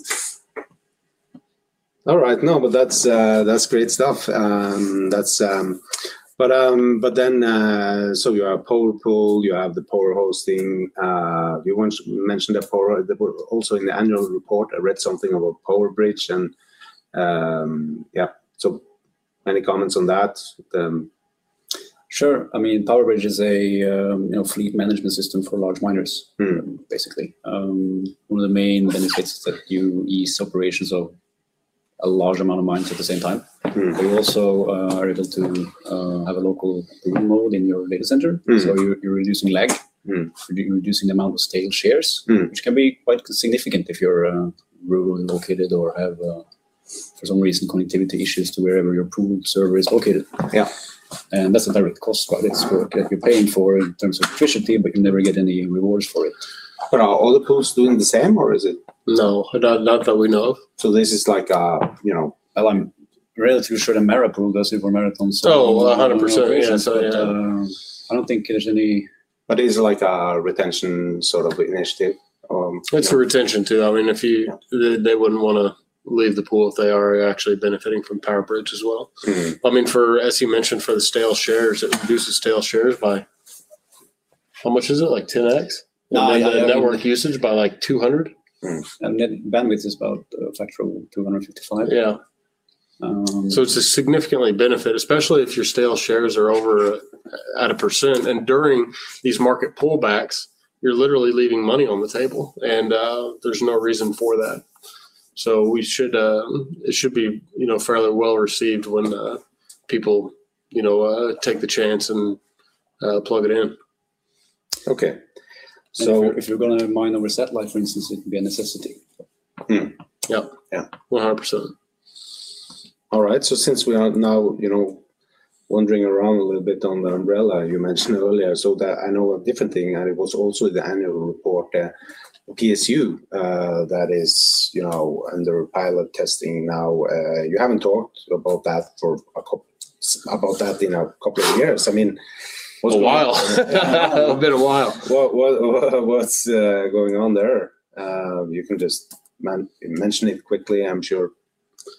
All right. No, that's great stuff. You have PowerPool.io, you have the power hosting. Also in the annual report I read something about PowerPool.io and, yeah, so any comments on that? Sure. I mean, PowerPool.io is a, you know, fleet management system for large miners- Mm Basically. One of the main benefits is that you ease operations of a large amount of miners at the same time. Mm. You also are able to have a local pool mode in your data center. Mm. You're reducing lag. Mm reducing the amount of stale shares. Mm... which can be quite significant if you're rurally located or have, for some reason, connectivity issues to wherever your pool server is located. Yeah. That's a direct cost, right? Yes. It's what you're paying for in terms of efficiency, but you never get any rewards for it. Are all the pools doing the same or is it? No. Not that we know of. So this is like a, you know- Well, I'm relatively sure MARA Pool does it for Marathon. Oh, 100%, yeah. Yeah. I don't know, I don't think there's any. Is it like a retention sort of initiative, you know? It's a retention tool. I mean, if you Yeah. They wouldn't wanna leave the pool if they are actually benefiting from PowerPool.io as well. Mm-hmm. I mean, as you mentioned, for the stale shares, it reduces stale shares. How much is it? Like 10x? No. Network usage by like 200. Bandwidth is about, like, around 255. Yeah. Um- It's a significant benefit, especially if your stale shares are over 1%. During these market pullbacks, you're literally leaving money on the table, and there's no reason for that. It should be, you know, fairly well-received when people, you know, take the chance and plug it in. Okay. So- If you're gonna mine over an overhead line for instance, it can be a necessity. Yep. Yeah. 100%. All right. Since we are now, you know, wandering around a little bit on the umbrella you mentioned earlier, so that I know a different thing, and it was also in the annual report, PSU, that is, you know, under pilot testing now. You haven't talked about that in a couple of years. I mean. It's been a while. What's going on there? You can just mention it quickly. I'm sure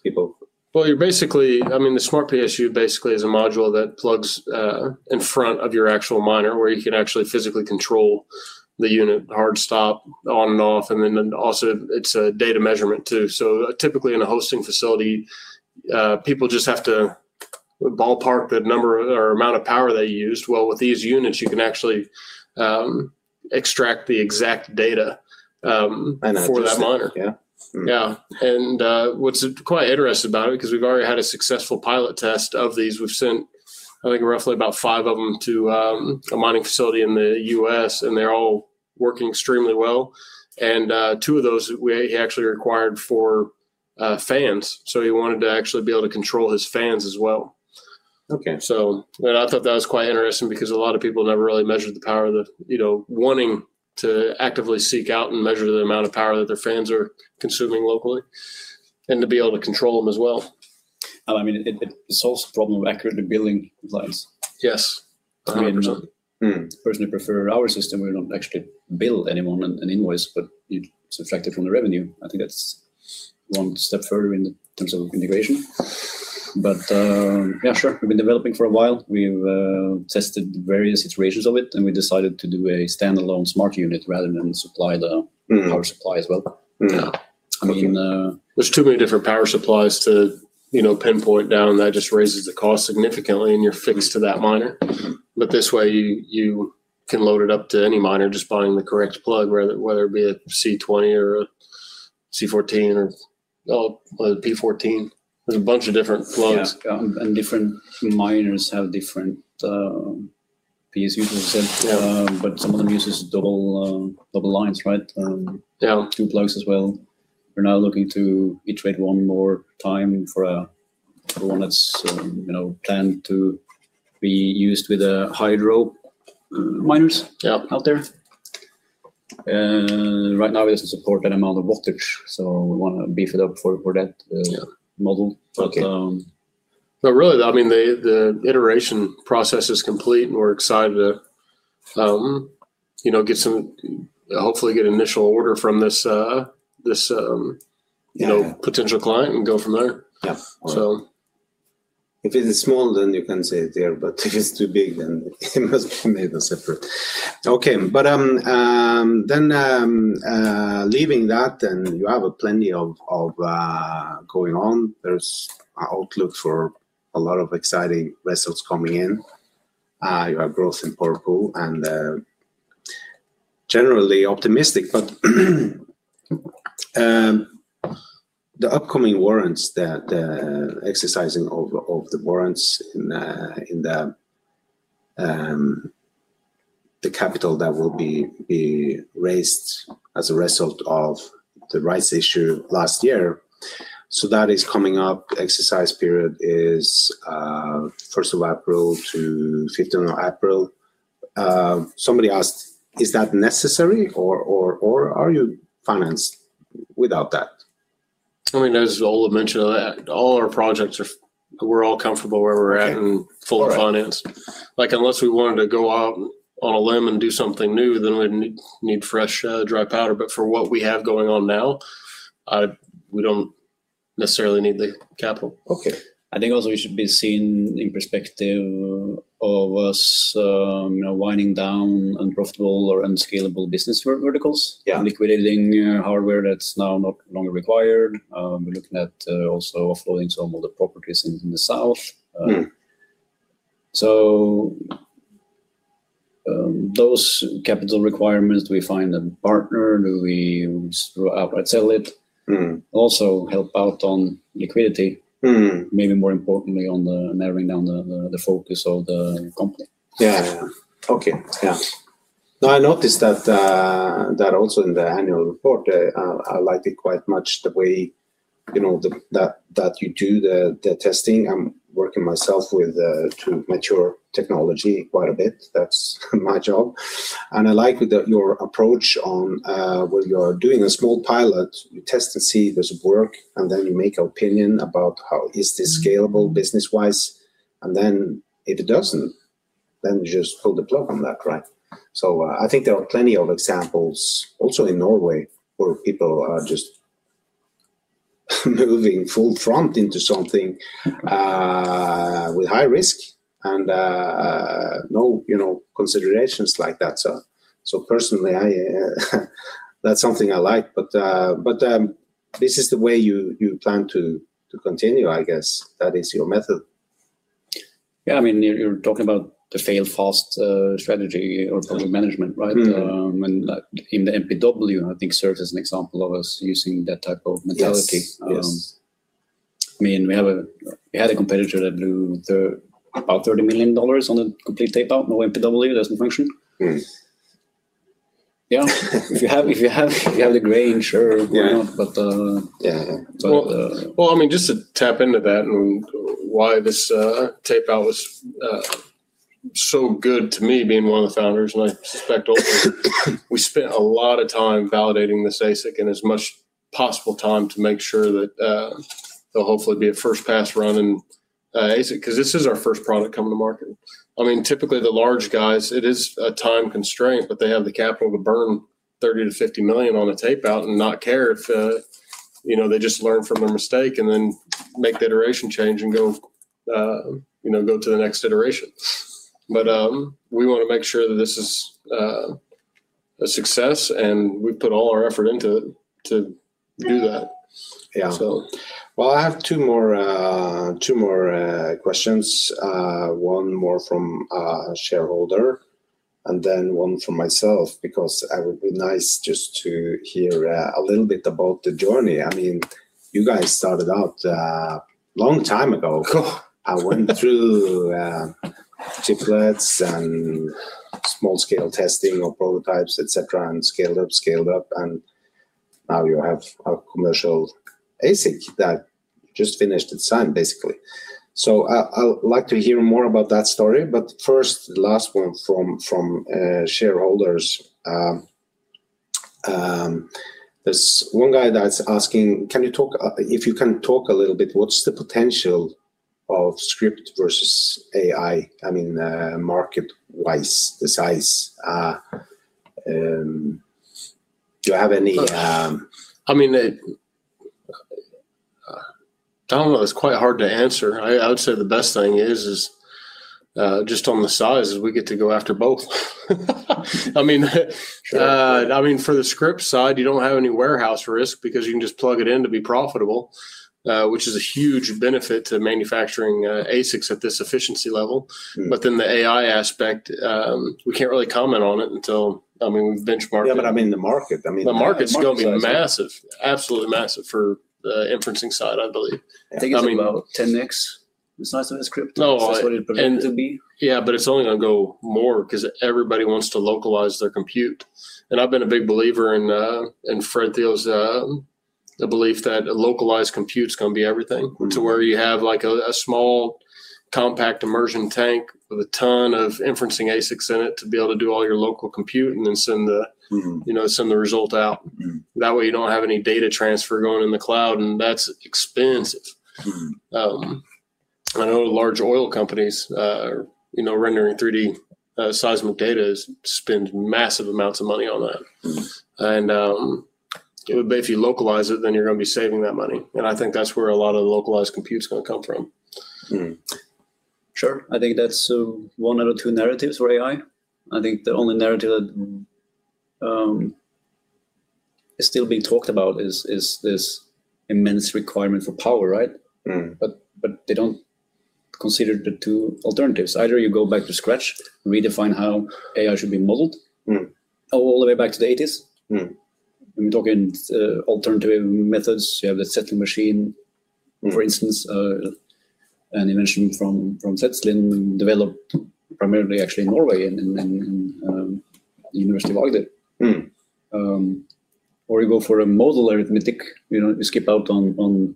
people- Well, you're basically I mean, the smart PSU basically is a module that plugs in front of your actual miner where you can actually physically control the unit, hard stop on and off, and then also it's a data measurement too. Typically in a hosting facility, people just have to ballpark the number or amount of power they used. Well, with these units, you can actually extract the exact data. I know. for that miner. Yeah. What's quite interesting about it, because we've already had a successful pilot test of these. We've sent, I think roughly about five of them to a mining facility in the U.S. and they're all working extremely well, and two of those he actually required for fans. He wanted to actually be able to control his fans as well. Okay. I thought that was quite interesting because a lot of people never really measured the power that, you know, wanting to actively seek out and measure the amount of power that their fans are consuming locally, and to be able to control them as well. I mean, it solves the problem of accurate billing wise. Yes. 100%. I mean. Mm. Personally prefer our system. We don't actually bill anyone an invoice, but you subtract it from the revenue. I think that's one step further in terms of integration. Yeah, sure. We've been developing for a while. We've tested various iterations of it, and we decided to do a standalone smart unit rather than supply the- Mm. Power supply as well. Yeah. I mean. There's too many different power supplies to, you know, pinpoint down. That just raises the cost significantly, and you're fixed to that miner. This way you can load it up to any miner just buying the correct plug, whether it be a C20 or a C14 or a P14. There's a bunch of different plugs. Yeah. Different miners have different PSUs. Yeah. Some of them uses double lines, right? Yeah. two plugs as well. We're now looking to iterate one more time for one that's you know planned to be used with hydro miners. Yeah. out there. Right now it doesn't support any amount of voltage, so we wanna beef it up for that. Yeah. -model. Okay. But, um- No, really, I mean, the iteration process is complete and we're excited to, you know, hopefully get initial order from this. Yeah. You know, potential client and go from there. Yeah. So. If it is small then you can't say it there, but if it's too big then it must be made separate. Okay. Leaving that, you have plenty of going on. There's outlook for a lot of exciting vessels coming in. You have growth in portal and generally optimistic. The upcoming warrants that exercising of the warrants in the capital that will be raised as a result of the rights issue last year. That is coming up. Exercise period is April 1 to April 15. Somebody asked, is that necessary or are you financed without that? I mean, as Ole mentioned, we're all comfortable where we're at. Okay. fully financed. All right. Like, unless we wanted to go out on a limb and do something new, then we'd need fresh dry powder. For what we have going on now, we don't necessarily need the capital. Okay. I think also it should be seen in perspective of us, you know, winding down unprofitable or unscalable business verticals. Yeah. Liquidating hardware that's now not longer required. We're looking at also offloading some of the properties in the south. Mm. Those capital requirements, do we find a partner? Do we split up and sell it? Mm. Also help out on liquidity. Mm. Maybe more importantly, on the narrowing down the focus of the company. Yeah. Okay. Yeah. Now I noticed that also in the annual report, I liked it quite much the way that you do the testing. I'm working myself to mature technology quite a bit. That's my job and I like your approach on where you are doing a small pilot. You test to see does it work, and then you make opinion about how is this scalable business-wise, and then if it doesn't, then you just pull the plug on that, right? I think there are plenty of examples also in Norway where people are just- Moving full front into something with high risk and no, you know, considerations like that. That's something I like. This is the way you plan to continue, I guess. That is your method. Yeah, I mean, you're talking about the fail fast strategy or project management, right? Mm-hmm. Like in the MPW I think serves as an example of us using that type of mentality. Yes, yes. I mean, we had a competitor that blew about $30 million on a complete tape-out. No MPW, it doesn't function. Hmm. Yeah. If you have the grain, sure, why not. Yeah. But, uh- Yeah. So, uh- Well, well, I mean, just to tap into that and why this tape out was so good to me being one of the founders, and I suspect [Olsen]. We spent a lot of time validating this ASIC and as much possible time to make sure that it'll hopefully be a first pass run and ASIC, 'cause this is our first product coming to market. I mean, typically the large guys, it is a time constraint, but they have the capital to burn $30-$50 million on a tape out and not care if, you know, they just learn from their mistake and then make the iteration change and go, you know, go to the next iteration. We wanna make sure that this is a success, and we've put all our effort into it to do that. Yeah. So... Well, I have two more questions. One more from a shareholder and then one from myself, because it would be nice just to hear a little bit about the journey. I mean, you guys started out long time ago. I went through chiplets and small scale testing of prototypes, etcetera, and scaled up, and now you have a commercial ASIC that just finished its sign-off, basically. So I would like to hear more about that story. But first, the last one from shareholders. This one guy that's asking, "Can you talk a little bit, what's the potential of Scrypt versus AI?" I mean, market-wise, the size. Do you have any Look, I mean, I don't know. It's quite hard to answer. I would say the best thing is just on the size is we get to go after both. I mean Sure. I mean, for the Scrypt side, you don't have any warehouse risk because you can just plug it in to be profitable, which is a huge benefit to manufacturing ASICs at this efficiency level. Mm. The AI aspect, we can't really comment on it until, I mean, we've benchmarked. Yeah, I mean the market. The market's gonna be massive, absolutely massive for the inferencing side, I believe. I mean. I think it's about 10x the size of the Scrypt. No, I- That's what it pretends to be. Yeah, it's only gonna go more 'cause everybody wants to localize their compute. I've been a big believer in Fred Thiel's belief that localized compute's gonna be everything. Mm. To where you have like a small compact immersion tank with a ton of inferencing ASICs in it to be able to do all your local compute and then send the. Mm. You know, send the result out. Mm. That way you don't have any data transfer going in the cloud, and that's expensive. Mm. I know large oil companies, you know, rendering 3D seismic data spend massive amounts of money on that. Mm. If you localize it, then you're gonna be saving that money, and I think that's where a lot of the localized compute's gonna come from. Hmm. Sure. I think that's one out of two narratives for AI. I think the only narrative that is still being talked about is this immense requirement for power, right? Mm. They don't consider the two alternatives. Either you go back to scratch, redefine how AI should be modeled- Mm. All the way back to the 1980s. Mm. I'm talking alternative methods. You have the settling machine. Mm. For instance, an invention from Shetland, developed primarily actually in Norway in the University of Agder. Mm. You go for modular arithmetic. You know, you skip out on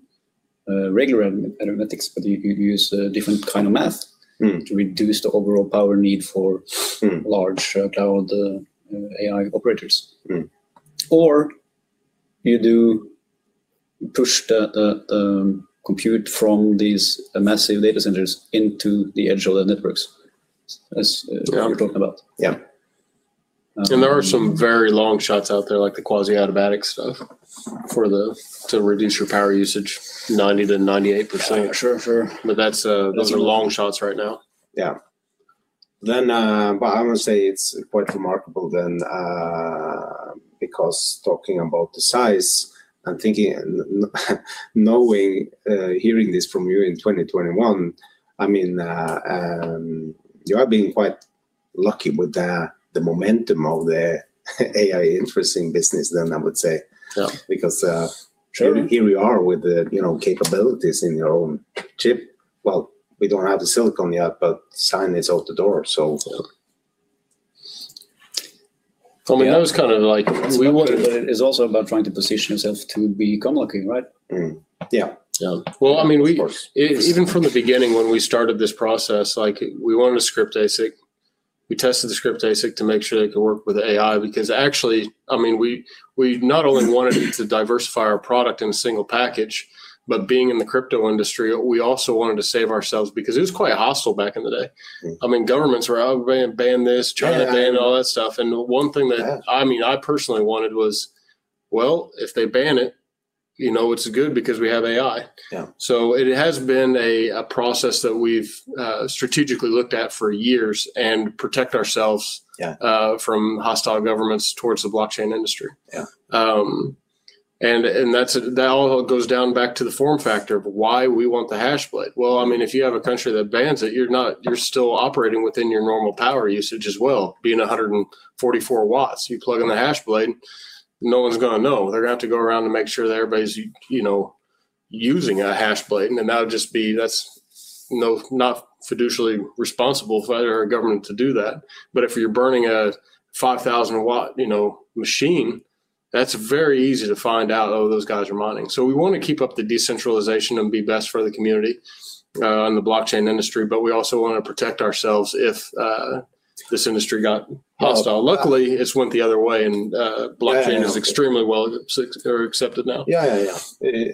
regular arithmetic, but you use a different kind of math. Mm. To reduce the overall power need for Mm. Large cloud, AI operators. Mm. You do push the compute from these massive data centers into the edge of the networks as- Yeah. We're talking about. Yeah. There are some very long shots out there, like the quasi-automatic stuff for the, to reduce your power usage 90%-98%. Yeah, sure. Sure. That's, those are long shots right now. Yeah. I would say it's quite remarkable then, because talking about the size and thinking knowing, hearing this from you in 2021, I mean, you are being quite lucky with the momentum of the AI inferencing business then, I would say. Yeah. Because, uh- Sure. Here we are with the, you know, capabilities in your own chip. Well, we don't have the silicon yet, but the design is out the door, so. For me, I was kind of like we want. It is also about trying to position yourself to become lucky, right? Yeah. Yeah. Well, I mean. Of course. Even from the beginning when we started this process, like we wanted a Scrypt ASIC. We tested the Scrypt ASIC to make sure that it could work with AI, because actually, I mean, we not only wanted to diversify our product in a single package, but being in the crypto industry, we also wanted to save ourselves, because it was quite hostile back in the day. Mm. I mean, governments were, "Oh, ban this. Yeah. China ban," all that stuff. One thing that- Yeah. I mean, what I personally wanted was, well, if they ban it. You know it's good because we have AI. Yeah. It has been a process that we've strategically looked at for years and protect ourselves. Yeah From hostile governments toward the blockchain industry. Yeah. That all goes back to the form factor of why we want the Hashblade. Well, I mean, if you have a country that bans it, you're not, you're still operating within your normal power usage as well, being 144 W. You plug in the Hashblade, no one's gonna know. They're gonna have to go around and make sure that everybody's, you know, using a Hashblade and that would just be, that's not fiscally responsible for the government to do that. But if you're burning a 5,000 W, you know, machine, that's very easy to find out, oh, those guys are mining. We wanna keep up the decentralization and be best for the community and the blockchain industry, but we also wanna protect ourselves if this industry got hostile. Oh. Luckily, it's went the other way and. Yeah, yeah.... blockchain is extremely well accepted now. Yeah.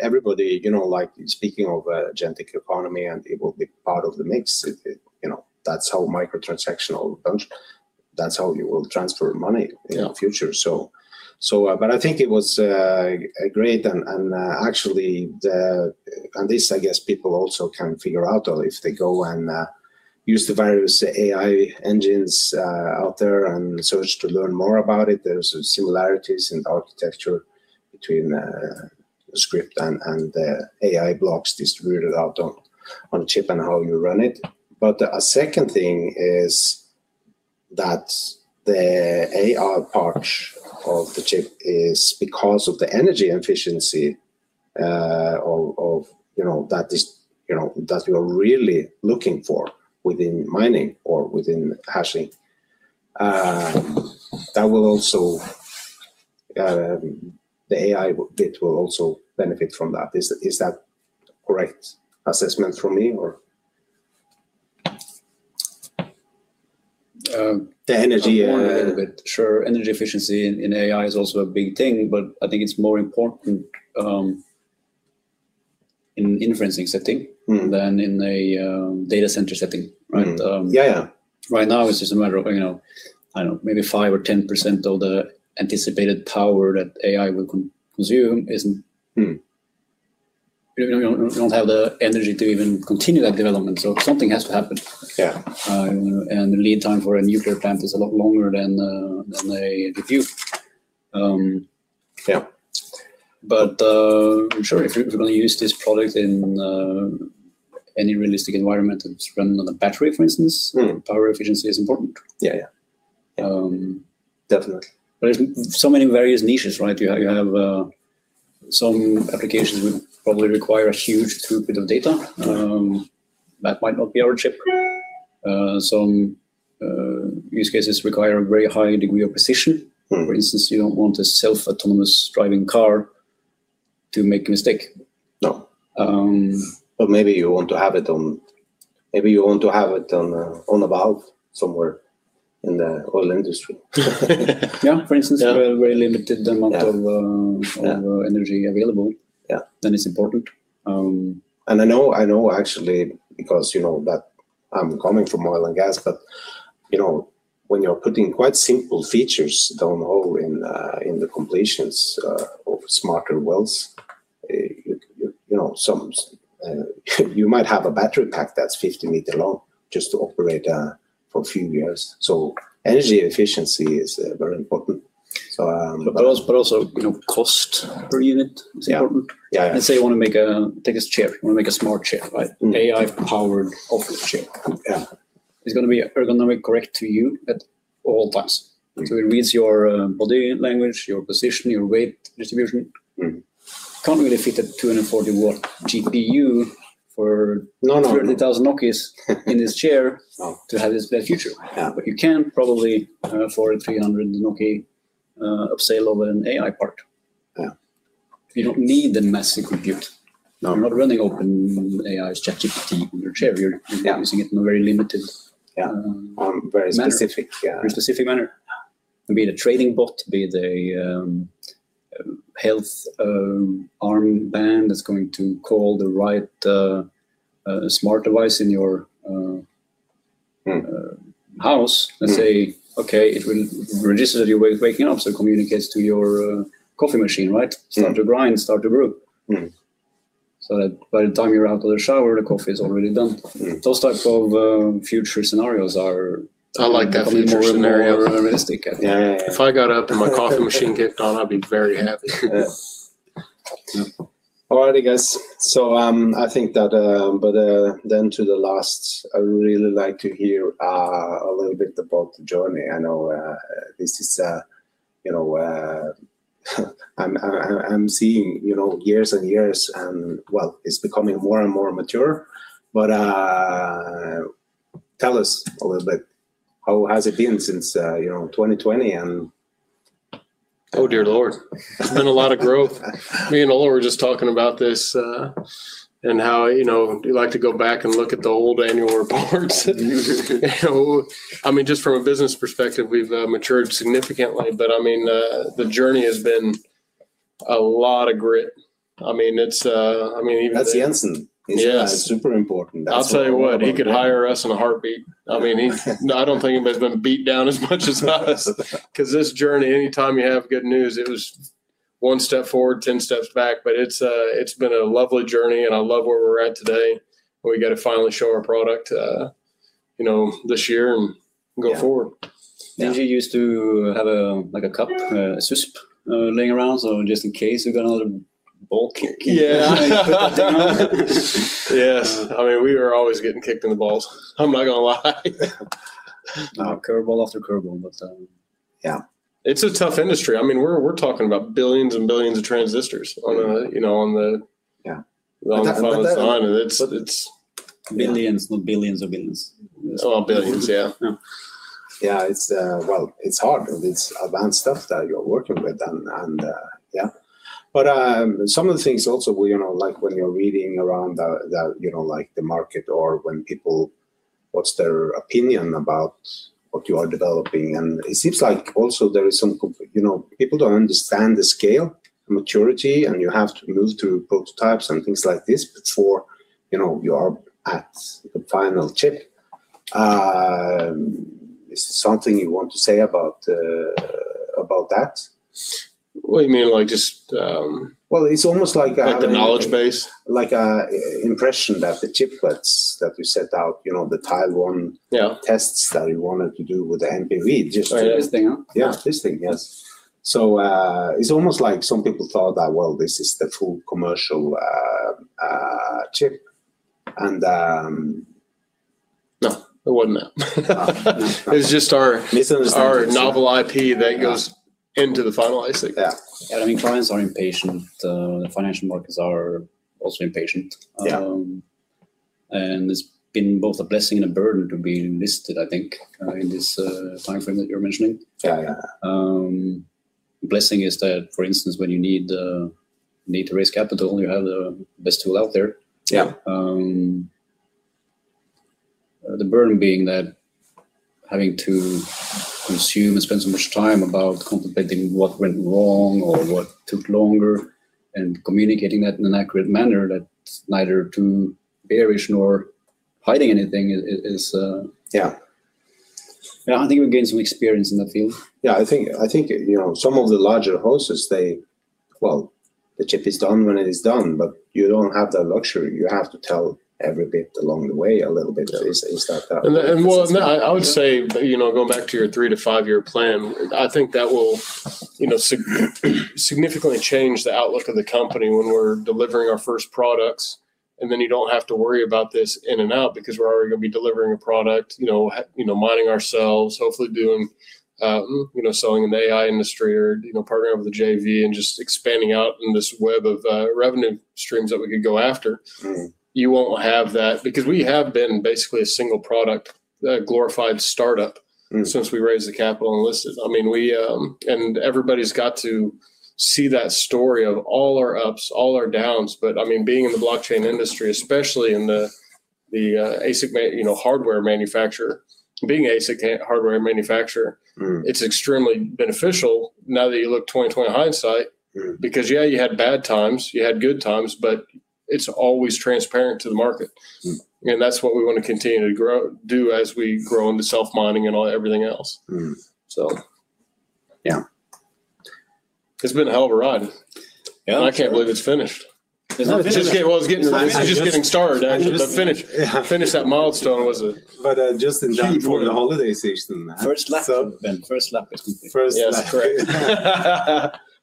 Everybody, you know, like speaking of an agentic economy and it will be part of the mix. It, you know, that's how microtransactional bunch, that's how you will transfer money. Yeah... in the future. But I think it was great and actually this, I guess, people also can figure out or if they go and use the various AI engines out there and search to learn more about it. There's similarities in architecture between Scrypt and the AI blocks distributed out on chip and how you run it. But a second thing is that the AI part of the chip is because of the energy efficiency of you know that is you know that you're really looking for within mining or within hashing. That will also the AI bit will also benefit from that. Is that correct assessment from me, or? Um- The energy- I'll comment a little bit. Sure. Energy efficiency in AI is also a big thing, but I think it's more important in inferencing setting- Mm... than in a data center setting, right? Yeah, yeah. Right now it's just a matter of, you know, I don't know, maybe 5%-10% of the anticipated power that AI will consume isn't Mm You know, don't have the energy to even continue that development, so something has to happen. Yeah. The lead time for a nuclear plant is a lot longer than a GPU. Yeah. I'm sure if you're gonna use this product in any realistic environment that's run on a battery for instance. Mm Power efficiency is important. Yeah, yeah. Um- Definitely. So many various niches, right? You have some applications would probably require a huge throughput of data. That might not be our chip. Some use cases require a very high degree of precision. Mm. For instance, you don't want a self-autonomous driving car to make a mistake. No. Um- Maybe you want to have it on a valve somewhere in the oil industry. Yeah, for instance. Yeah a very limited amount of Yeah of energy available Yeah It's important. I know actually because, you know, that I'm coming from oil and gas, but you know, when you're putting quite simple features down the hole in the completions of smarter wells, you know, sometimes you might have a battery pack that's 50 meters long just to operate for a few years. Energy efficiency is very important. you know, cost per unit is important. Yeah. Yeah, yeah. Let's say you wanna take this chair, you wanna make a smart chair, right? Mm. AI-powered office chair. Yeah. It's gonna be ergonomically correct to you at all times. Mm. It reads your body language, your position, your weight distribution. Mm. Can't really fit a 240 W GPU. No, no 30,000 in this chair. No... to have this best future. Yeah. You can probably afford 300 of, say, an AI part. Yeah. You don't need the massive compute. No. I'm not running OpenAI's ChatGPT in your chair. Yeah. You're using it in a very limited. On very specific, yeah specific, very specific manner. Yeah. It could be the trading bot, the health arm band that's going to call the right smart device in your. Mm house. Mm. Let's say, okay, it will register that you're waking up, so it communicates to your coffee machine, right? Mm. Start to grind, start to brew. Mm. That by the time you're out of the shower, the coffee's already done. Mm. Those types of future scenarios are. I like that future scenario. Becoming more and more realistic. Yeah, yeah. If I got up and my coffee machine kicked on, I'd be very happy. Yes. All righty, guys. To the last, I would really like to hear a little bit about the journey. I know this is, you know, I'm seeing, you know, years and years and, well, it's becoming more and more mature. Tell us a little bit how has it been since, you know, 2020 and. Oh, dear Lord. It's been a lot of growth. Me and Ola were just talking about this, and how, you know, you like to go back and look at the old annual reports. Mm. You know, I mean, just from a business perspective, we've matured significantly, but I mean, the journey has been a lot of grit. I mean, it's I mean even- That's Jensen. Yes. He's super important. I'll tell you what, he could hire us in a heartbeat. I mean, no, I don't think anybody's been beat down as much as us. 'Cause this journey, anytime you have good news, one step forward, 10 steps back. It's been a lovely journey, and I love where we're at today, where we get to finally show our product, you know, this year and go forward. Yeah. Yeah. You used to have, like, a cup just laying around, so just in case you got another ball kick. Yeah. Yes. I mean, we were always getting kicked in the balls. I'm not gonna lie. No, curveball after curveball, but, yeah. It's a tough industry. I mean, we're talking about billions and billions of transistors on a- Mm. You know. Yeah. On the fun. It's Billions and billions of billions. Well, billions, yeah. Yeah. It's well, it's hard. It's advanced stuff that you're working with and yeah. Some of the things also where, you know, like when you're reading around the, you know, like the market or when people, what's their opinion about what you are developing, and it seems like also people don't understand the scale, maturity, and you have to move through prototypes and things like this before, you know, you are at the final chip. Is something you want to say about that? What do you mean, like just? Well, it's almost like. Like the knowledge base? Like an impression that the chiplets that you set out, you know, the Taiwan- Yeah tests that you wanted to do with the MPV. Try this thing out. Yeah. Yeah. This thing. Yes. It's almost like some people thought that, well, this is the full commercial chip, and No, it wasn't that. No. It was just our- Misunderstanding our novel IP that goes Yeah into the final ASIC. Yeah. I mean, clients are impatient. The financial markets are also impatient. Yeah. It's been both a blessing and a burden to be listed, I think, in this timeframe that you're mentioning. Yeah, yeah. Blessing is that, for instance, when you need to raise capital, you have the best tool out there. Yeah. The burden being that having to consume and spend so much time about contemplating what went wrong or what took longer, and communicating that in an accurate manner that's neither too bearish nor hiding anything is. Yeah. Yeah, I think we gained some experience in the field. Yeah. I think you know, some of the larger houses, they well, the chip is done when it is done, but you don't have that luxury. You have to tell every bit along the way a little bit at least, and stuff that. Well, no, I would say, you know, going back to your three to five year plan, I think that will, you know, significantly change the outlook of the company when we're delivering our first products, and then you don't have to worry about this in and out because we're already gonna be delivering a product, you know, mining ourselves, hopefully doing, you know, selling in the AI industry or, you know, partnering with the JV and just expanding out in this web of revenue streams that we could go after. Mm. You won't have that because we have been basically a single product, a glorified startup. Mm... since we raised the capital and listed. I mean, we and everybody's got to see that story of all our ups, all our downs. I mean, being in the blockchain industry, especially in the ASIC, you know, hardware manufacturer, being a ASIC hardware manufacturer. Mm It's extremely beneficial now that you look 20/20 hindsight. Mm. Because yeah, you had bad times, you had good times, but it's always transparent to the market. Mm. That's what we want to continue to grow, do as we grow into self-mining and all, everything else. Mm. So. Yeah. It's been a hell of a ride. Yeah. I can't believe it's finished. No, it's not. Well, it's getting re- It's not finished. We're just getting started. I just- To finish- Yeah. Finish that milestone was a- Just in time for the holiday season. First lap, Ben. First lap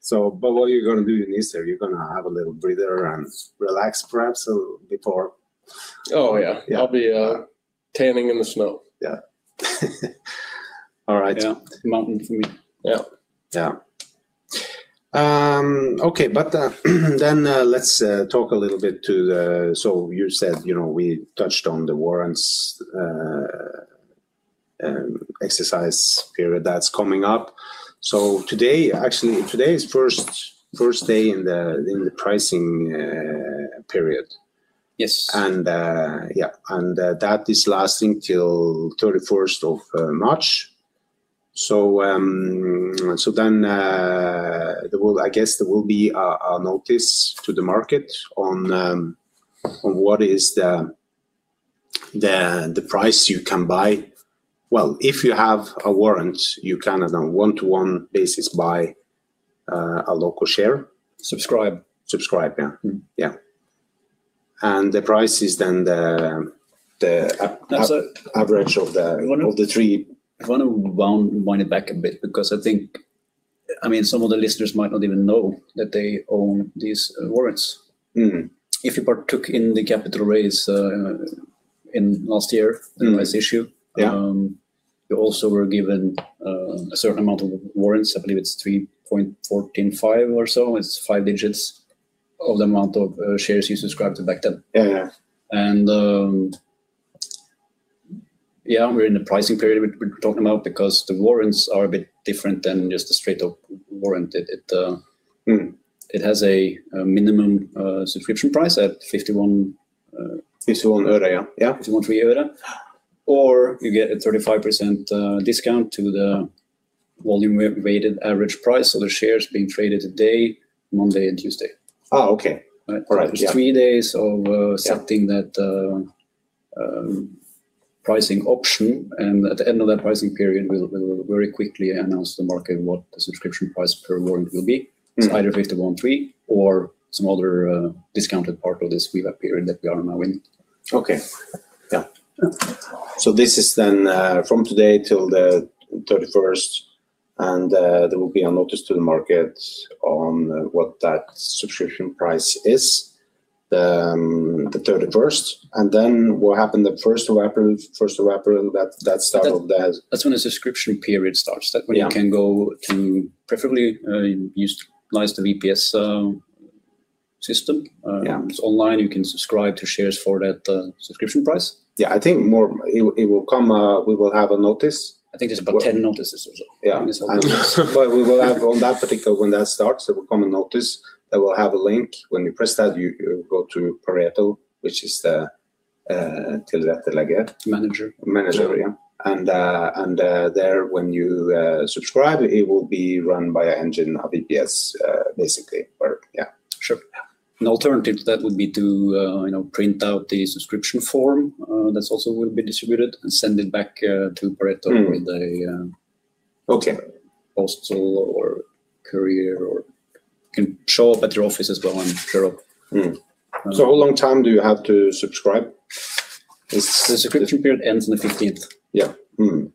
is completed. First lap. Yes, correct. What are you gonna do in Easter? You're gonna have a little breather and relax perhaps a little before. Oh, yeah. Yeah. I'll be tanning in the snow. Yeah. All right. Yeah. Mountain for me. Yeah. Yeah. Okay. Let's talk a little bit. You said, you know, we touched on the warrants exercise period that's coming up. Today, actually today is first day in the pricing period. Yes. That is lasting till March 31. There will, I guess, be a notice to the market on what is the price you can buy. Well, if you have a warrant, you can on one-to-one basis buy a Lokotech share. Subscribe. Subscribe, yeah. Mm. Yeah. The price is then the a- That's a- average of the I wanna- of the three I wanna wind it back a bit because I think, I mean, some of the listeners might not even know that they own these warrants. Mm. If you partook in the capital raise in last year. Mm in this issue. Yeah You also were given a certain amount of warrants. I believe it's 3.145 or so. It's five digits of the amount of shares you subscribed to back then. Yeah. Yeah, we're in the pricing period, we're talking about because the warrants are a bit different than just a straight up warrant. It Mm it has a minimum subscription price at 51. 51 euro, yeah. Yeah 51. You get a 35% discount to the volume weighted average price. The shares being traded today, Monday and Tuesday. Oh, okay. Right? All right. Yeah. It's three days of. Yeah something that pricing option, and at the end of that pricing period, we'll very quickly announce to the market what the subscription price per warrant will be. Mm-hmm. It's either 51-3 or some other discounted part of this build-up period that we are now in. Okay. Yeah. This is then from today till the 31st, and there will be a notice to the market on what that subscription price is, the 31st, and then what happen the April 1st that start of the- That's when the subscription period starts. Yeah. That's when you can go to, preferably, utilize the VPS system. Yeah. It's online. You can subscribe to shares for that subscription price. Yeah. It will come. We will have a notice. I think there's about 10 notices or so. Yeah. On this one. We will have on that particular when that starts, there will come a notice that will have a link. When you press that, you go to Pareto, which is the Manager. Manager, yeah. There, when you subscribe, it will be run by an engine, a VPS, basically, or yeah. Sure. Yeah. An alternative to that would be to, you know, print out the subscription form, that also will be distributed and send it back to Pareto. Mm. With a Okay postal or courier or can show up at their offices as well in Europe. How long time do you have to subscribe? The subscription period ends on the 15th. Yeah, mm-hmm.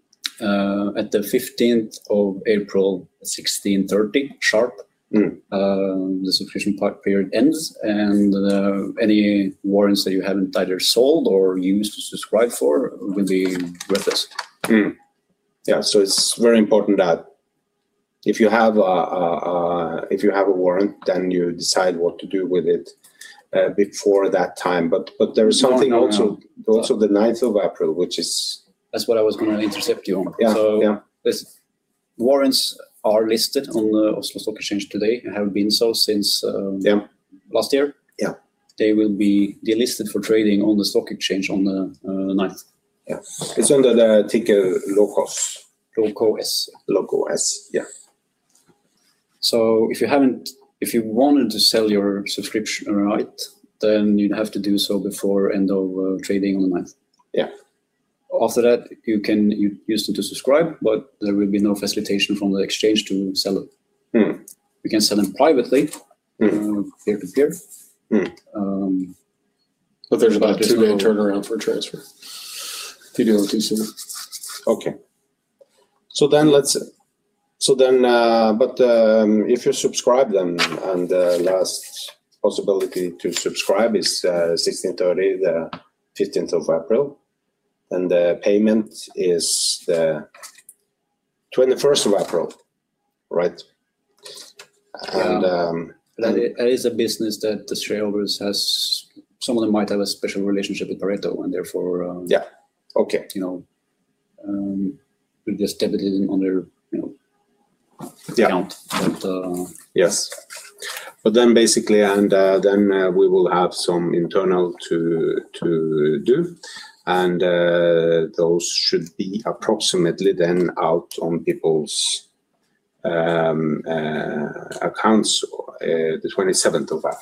At the April 15th, 4:30 P.M. sharp. Mm. The subscription period ends, and any warrants that you haven't either sold or used to subscribe for will be worthless. It's very important that if you have a warrant, then you decide what to do with it before that time, but there is something also. No, no. also the April 9th, which is That's what I was gonna intercept you on. Yeah, yeah. Listen. Warrants are listed on the Oslo Stock Exchange today and have been so since, Yeah Last year. Yeah. They will be delisted for trading on the stock exchange on the 9th. Yeah. It's under the ticker LOKOS. LOKOS. LOKOS, yeah. If you wanted to sell your subscription right, then you'd have to do so before end of trading on the 9th. Yeah. You use them to subscribe, but there will be no facilitation from the exchange to sell it. Mm. You can sell them privately. Mm peer-to-peer. Mm. Um... There's about 2-day turnaround for transfer if you do it too soon. Okay. So then, but, if you subscribe then, and the last possibility to subscribe is 4:30 P.M., the April 15th, and the payment is the April 21st, right? Yeah. And, um, and- That is a business that the shareholders has. Some of them might have a special relationship with Pareto and therefore, Yeah. Okay you know, we just debit it in on their, you know. Yeah account. Yes. Basically, we will have some internal to do, and those should be approximately then out on people's accounts, the April 27th.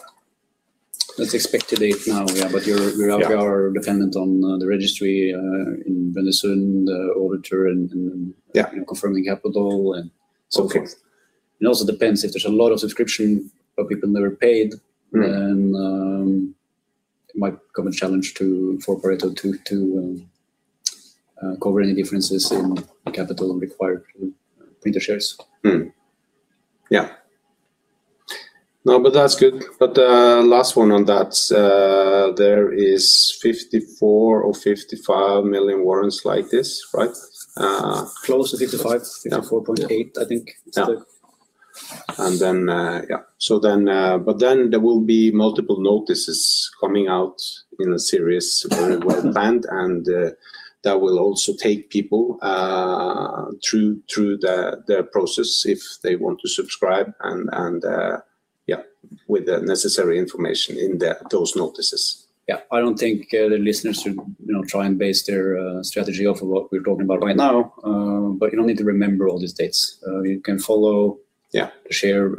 That's expected date now. Yeah. Yeah. We are dependent on the registry in Brønnøysund, the auditor, and Yeah You know, confirming capital and so forth. Okay. It also depends if there's a lot of subscription but people never paid. Mm It might become a challenge for Pareto to cover any differences in the capital required to print the shares. No, that's good. The last one on that, there is 54 or 55 million warrants like this, right? Close to 55. Yeah. 54.8, I think. Yeah. Is the- There will be multiple notices coming out in a series very well advanced, and that will also take people through the process if they want to subscribe and with the necessary information in those notices. Yeah. I don't think the listeners should, you know, try and base their strategy off of what we're talking about right now, but you don't need to remember all these dates. You can follow. Yeah Share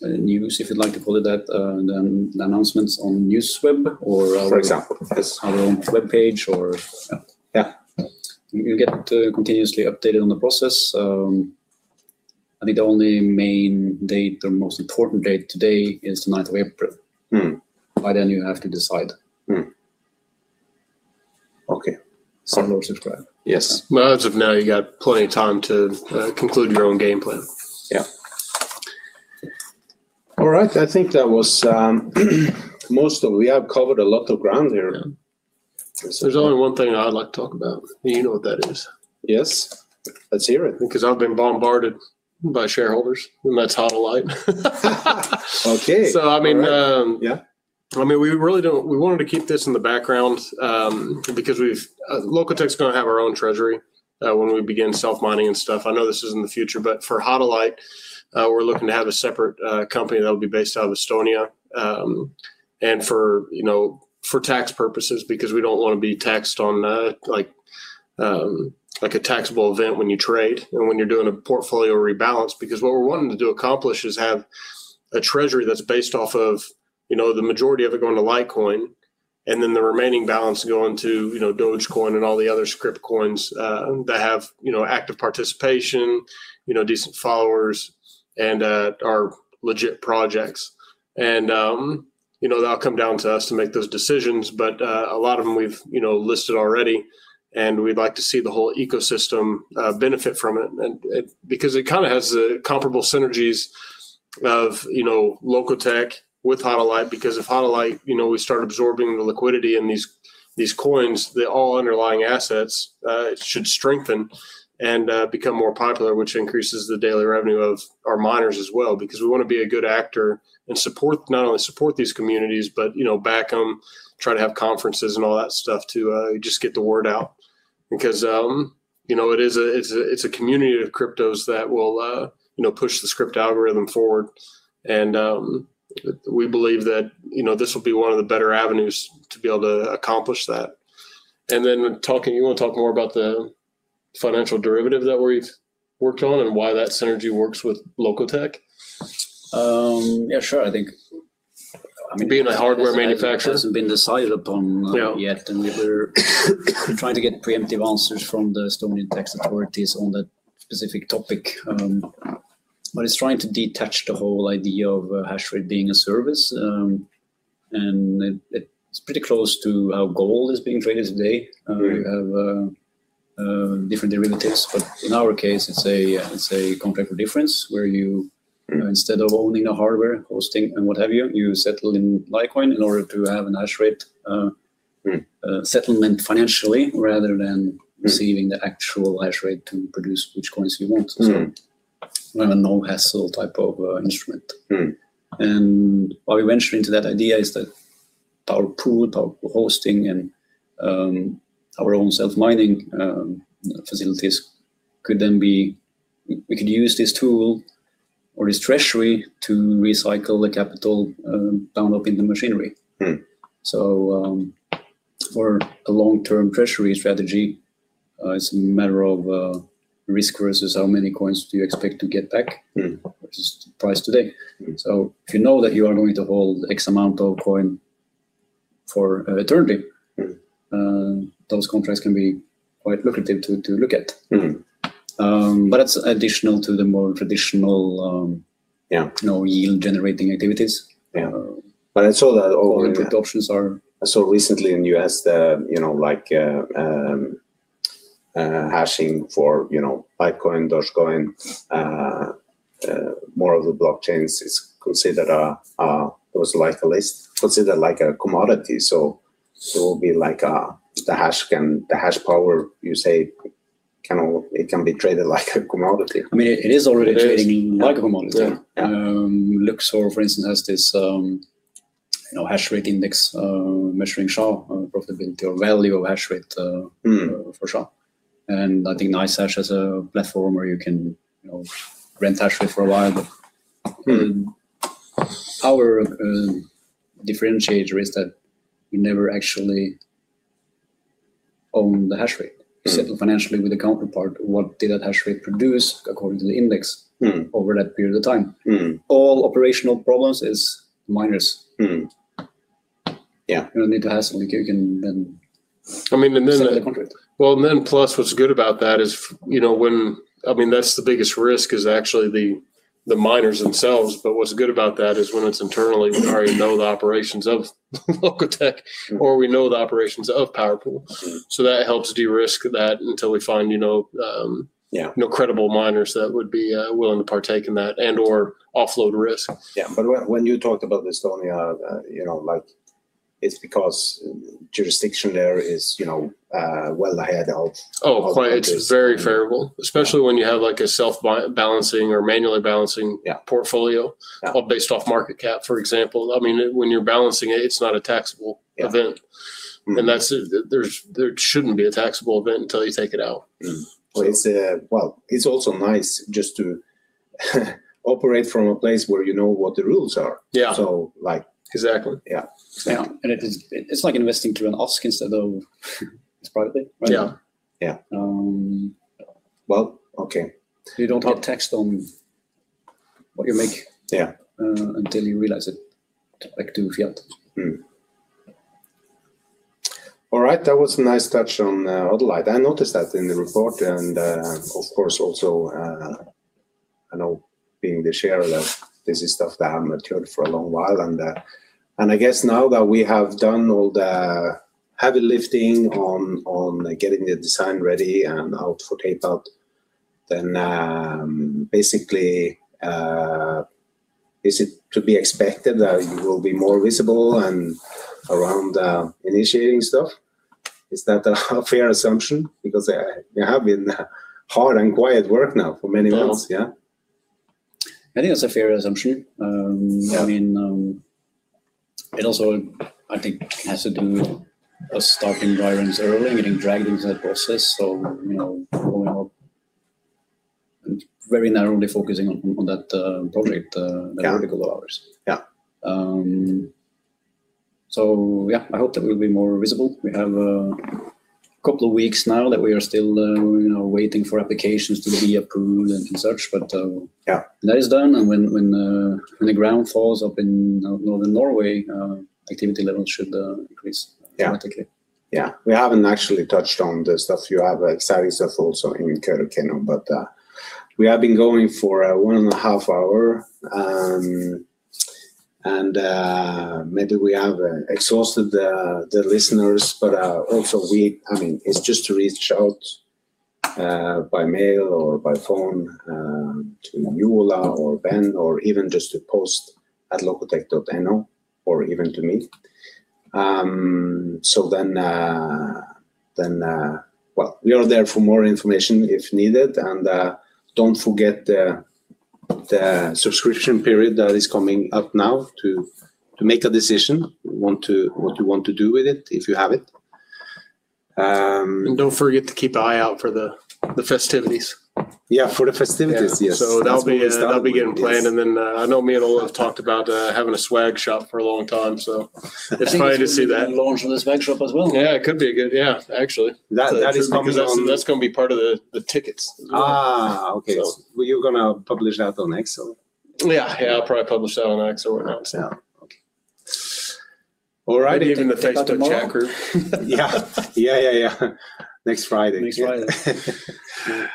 news if you'd like to call it that, and then the announcements on Newsweb or our- For example, yes. our own webpage Yeah, yeah. You'll get continuously updated on the process. I think the only main date, the most important date to date is the April 9th. Mm. By then you have to decide. Okay. Sell or subscribe. Yes. Well, as of now you got plenty of time to conclude your own game plan. Yeah. All right. We have covered a lot of ground here. There's only one thing I'd like to talk about, and you know what that is. Yes. Let's hear it. Because I've been bombarded by shareholders, and that's HODL Light. Okay. All right. I mean Yeah I mean, we wanted to keep this in the background, because Lokotech's gonna have our own treasury, when we begin self-mining and stuff. I know this is in the future, but for HODL Light, we're looking to have a separate company that'll be based out of Estonia. And for, you know, for tax purposes because we don't wanna be taxed on the, like a taxable event when you trade and when you're doing a portfolio rebalance because what we're wanting to do, accomplish is have a treasury that's based off of, you know, the majority of it going to Litecoin and then the remaining balance going to, you know, Dogecoin and all the other Scrypt coins, that have, you know, active participation, you know, decent followers and, are legit projects. You know, that'll come down to us to make those decisions but, a lot of them we've, you know, listed already, and we'd like to see the whole ecosystem benefit from it. Because it kinda has comparable synergies of, you know, Lokotech with HODL Light because if HODL Light, you know, we start absorbing the liquidity in these coins, all underlying assets should strengthen and become more popular which increases the daily revenue of our miners as well because we wanna be a good actor and support, not only support these communities but, you know, back them, try to have conferences and all that stuff to just get the word out. Because, you know, it is a community of cryptos that will, you know, push the Scrypt algorithm forward and, we believe that, you know, this will be one of the better avenues to be able to accomplish that. Talking, you wanna talk more about the financial derivative that we've worked on and why that synergy works with Lokotech? Yeah, sure. I think. I mean, being a hardware manufacturer. It hasn't been decided upon. No We're trying to get preemptive answers from the Estonian tax authorities on that specific topic. It's trying to detach the whole idea of hash rate being a service. It's pretty close to how gold is being traded today. Mm. We have different derivatives but in our case it's a contract for difference where you Mm... you know, instead of owning the hardware, hosting and what have you settle in Litecoin in order to have a hash rate. Mm settlement financially rather than Mm receiving the actual hash rate to produce which coins you want. Mm. A no-hassle type of instrument. Mm. Why we venture into that idea is that our pool, our hosting and our own self mining facilities could then be, we could use this tool or this treasury to recycle the capital tied up in the machinery. Mm. For a long-term treasury strategy, it's a matter of risk versus how many coins do you expect to get back? Mm versus the price today. Mm. If you know that you are going to hold X amount of coin for eternity. Mm Those contracts can be quite lucrative to look at. Mm. It's additional to the more traditional. Yeah You know, yield generating activities. Yeah. I saw that. The options are. I saw recently in the U.S. that, you know, like, hashing for, you know, Bitcoin, Dogecoin, more of the blockchains is considered a list. Considered like a commodity, so it will be like, the hash power you say can, it can be traded like a commodity. I mean, it is already traded like a commodity. Yeah, yeah. Luxor for instance has this, you know, hashrate index measuring profitability or value of hash rate. Mm... for SHA-256. I think NiceHash has a platform where you can, you know, rent hash rate for a while. Mm... our differentiator is that you never actually own the hash rate. Mm. You settle financially with the counterpart. What did that hash rate produce according to the index? Mm over that period of time. Mm. All operational problems is miners. Yeah. You don't need to hassle, you can then. I mean. settle the contract. Well, plus what's good about that is, I mean, that's the biggest risk is actually the miners themselves. What's good about that is when it's internally we already know the operations of Lokotech or we know the operations of PowerPool. Mm. That helps de-risk that until we find, you know. Yeah You know, credible miners that would be willing to partake in that and or offload risk. Yeah. When you talked about Estonia, you know, like it's because jurisdiction there is, you know, well ahead of- Oh, quite. It's very favorable, especially when you have like a self-balancing or manually balancing- Yeah portfolio Yeah All based off market cap, for example. I mean, when you're balancing it's not a taxable event. Yeah. That's it. There shouldn't be a taxable event until you take it out. Mm. So. Well, it's also nice just to operate from a place where you know what the rules are. Yeah. So, like- Exactly. Yeah. Yeah. It is, it's like investing through an ASK instead of privately, right? Yeah. Yeah. Um. Well, okay. You don't pay tax on what you make. Yeah... until you realize it, like to fiat. All right. That was a nice touch on HODL Light. I noticed that in the report and of course also I know being the chair that this is stuff that I haven't heard for a long while. I guess now that we have done all the heavy lifting on like getting the design ready and out for tape-out, then basically is it to be expected that you will be more visible and around initiating stuff? Is that a fair assumption because you have been hard at quiet work now for many months. Well- Yeah. I think that's a fair assumption. Yeah I mean, it also I think has to do with us starting [Byron Zero], getting dragged into that process. You know, going up- Very narrowly focusing on that project Yeah that vertical of ours. Yeah. I hope that we'll be more visible. We have a couple of weeks now that we are still waiting for applications to be approved and such. Yeah That is done. When the ground thaws up in northern Norway, activity levels should increase dramatically. We haven't actually touched on the stuff you have, exciting stuff also in Kirkenes. We have been going for 1.5 hours. Maybe we have exhausted the listeners. I mean, it's just to reach out by mail or by phone to Joar or Ben, or even just to post at lokotech.no, or even to me. We are there for more information if needed. Don't forget the subscription period that is coming up now to make a decision on what you want to do with it if you have it. Don't forget to keep an eye out for the festivities. Yeah, for the festivities. Yes. Yeah. That's where we start with this. That'll be getting planned, and then I know me and Ola have talked about having a swag shop for a long time. It's funny to see that. I think it will be launched on the swag shop as well. Yeah. Actually. That is coming on. 'Cause that's gonna be part of the tickets as well. Okay. So. You're gonna publish that on X or? Yeah. Yeah, I'll probably publish that on X or announce, yeah. Okay. All right. Maybe even the Facebook chat group. Yeah. Next Friday. Next Friday.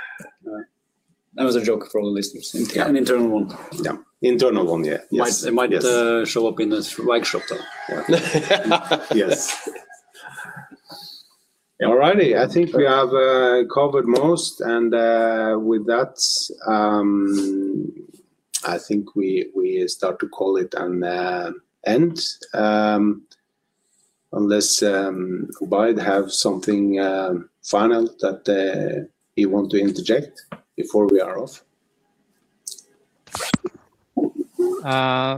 That was a joke for all the listeners. Yeah. An internal one. Yeah. Internal one. Yeah. Yes. Yes. It might show up in the swag shop though. Yes. All righty. I think we have covered most. With that, I think we start to call it an end. Unless [Oby] have something final that he want to interject before we are off.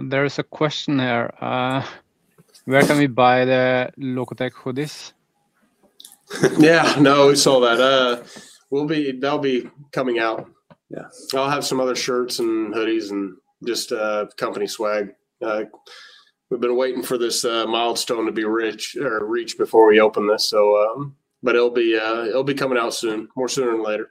There is a question here. Where can we buy the Lokotech hoodies? Yeah, no, we saw that. They'll be coming out. Yeah. I'll have some other shirts and hoodies and just company swag. We've been waiting for this milestone to be reached before we open this, but it'll be coming out soon, sooner rather than later.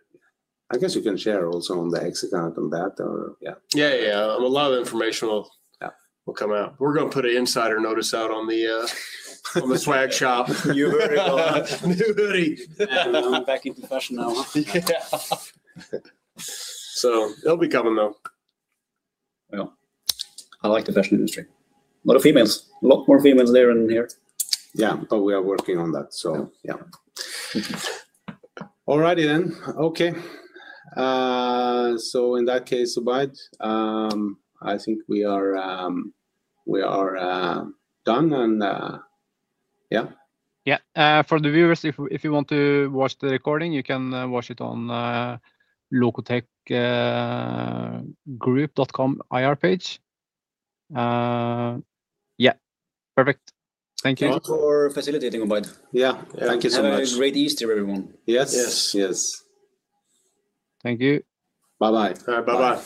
I guess you can share also on the X account on that, yeah. Yeah, yeah. A lot of information will Yeah... will come out. We're gonna put an insider notice out on the swag shop. You heard it all. New hoodie. Yeah. I'm backing the fashion now. Yeah. It'll be coming though. Well, I like the fashion industry. A lot of females, a lot more females there than here. Yeah. We are working on that. Yeah. Yeah. All righty then. Okay. In that case, [Oby], I think we are done and yeah. Yeah. For the viewers, if you want to watch the recording, you can watch it on lokotechgroup.com IR page. Yeah. Perfect. Thank you. Thank you for facilitating, Zubaida. Yeah. Thank you so much. Have a great Easter, everyone. Yes. Yes. Yes. Thank you. Bye-bye. All right. Bye-bye.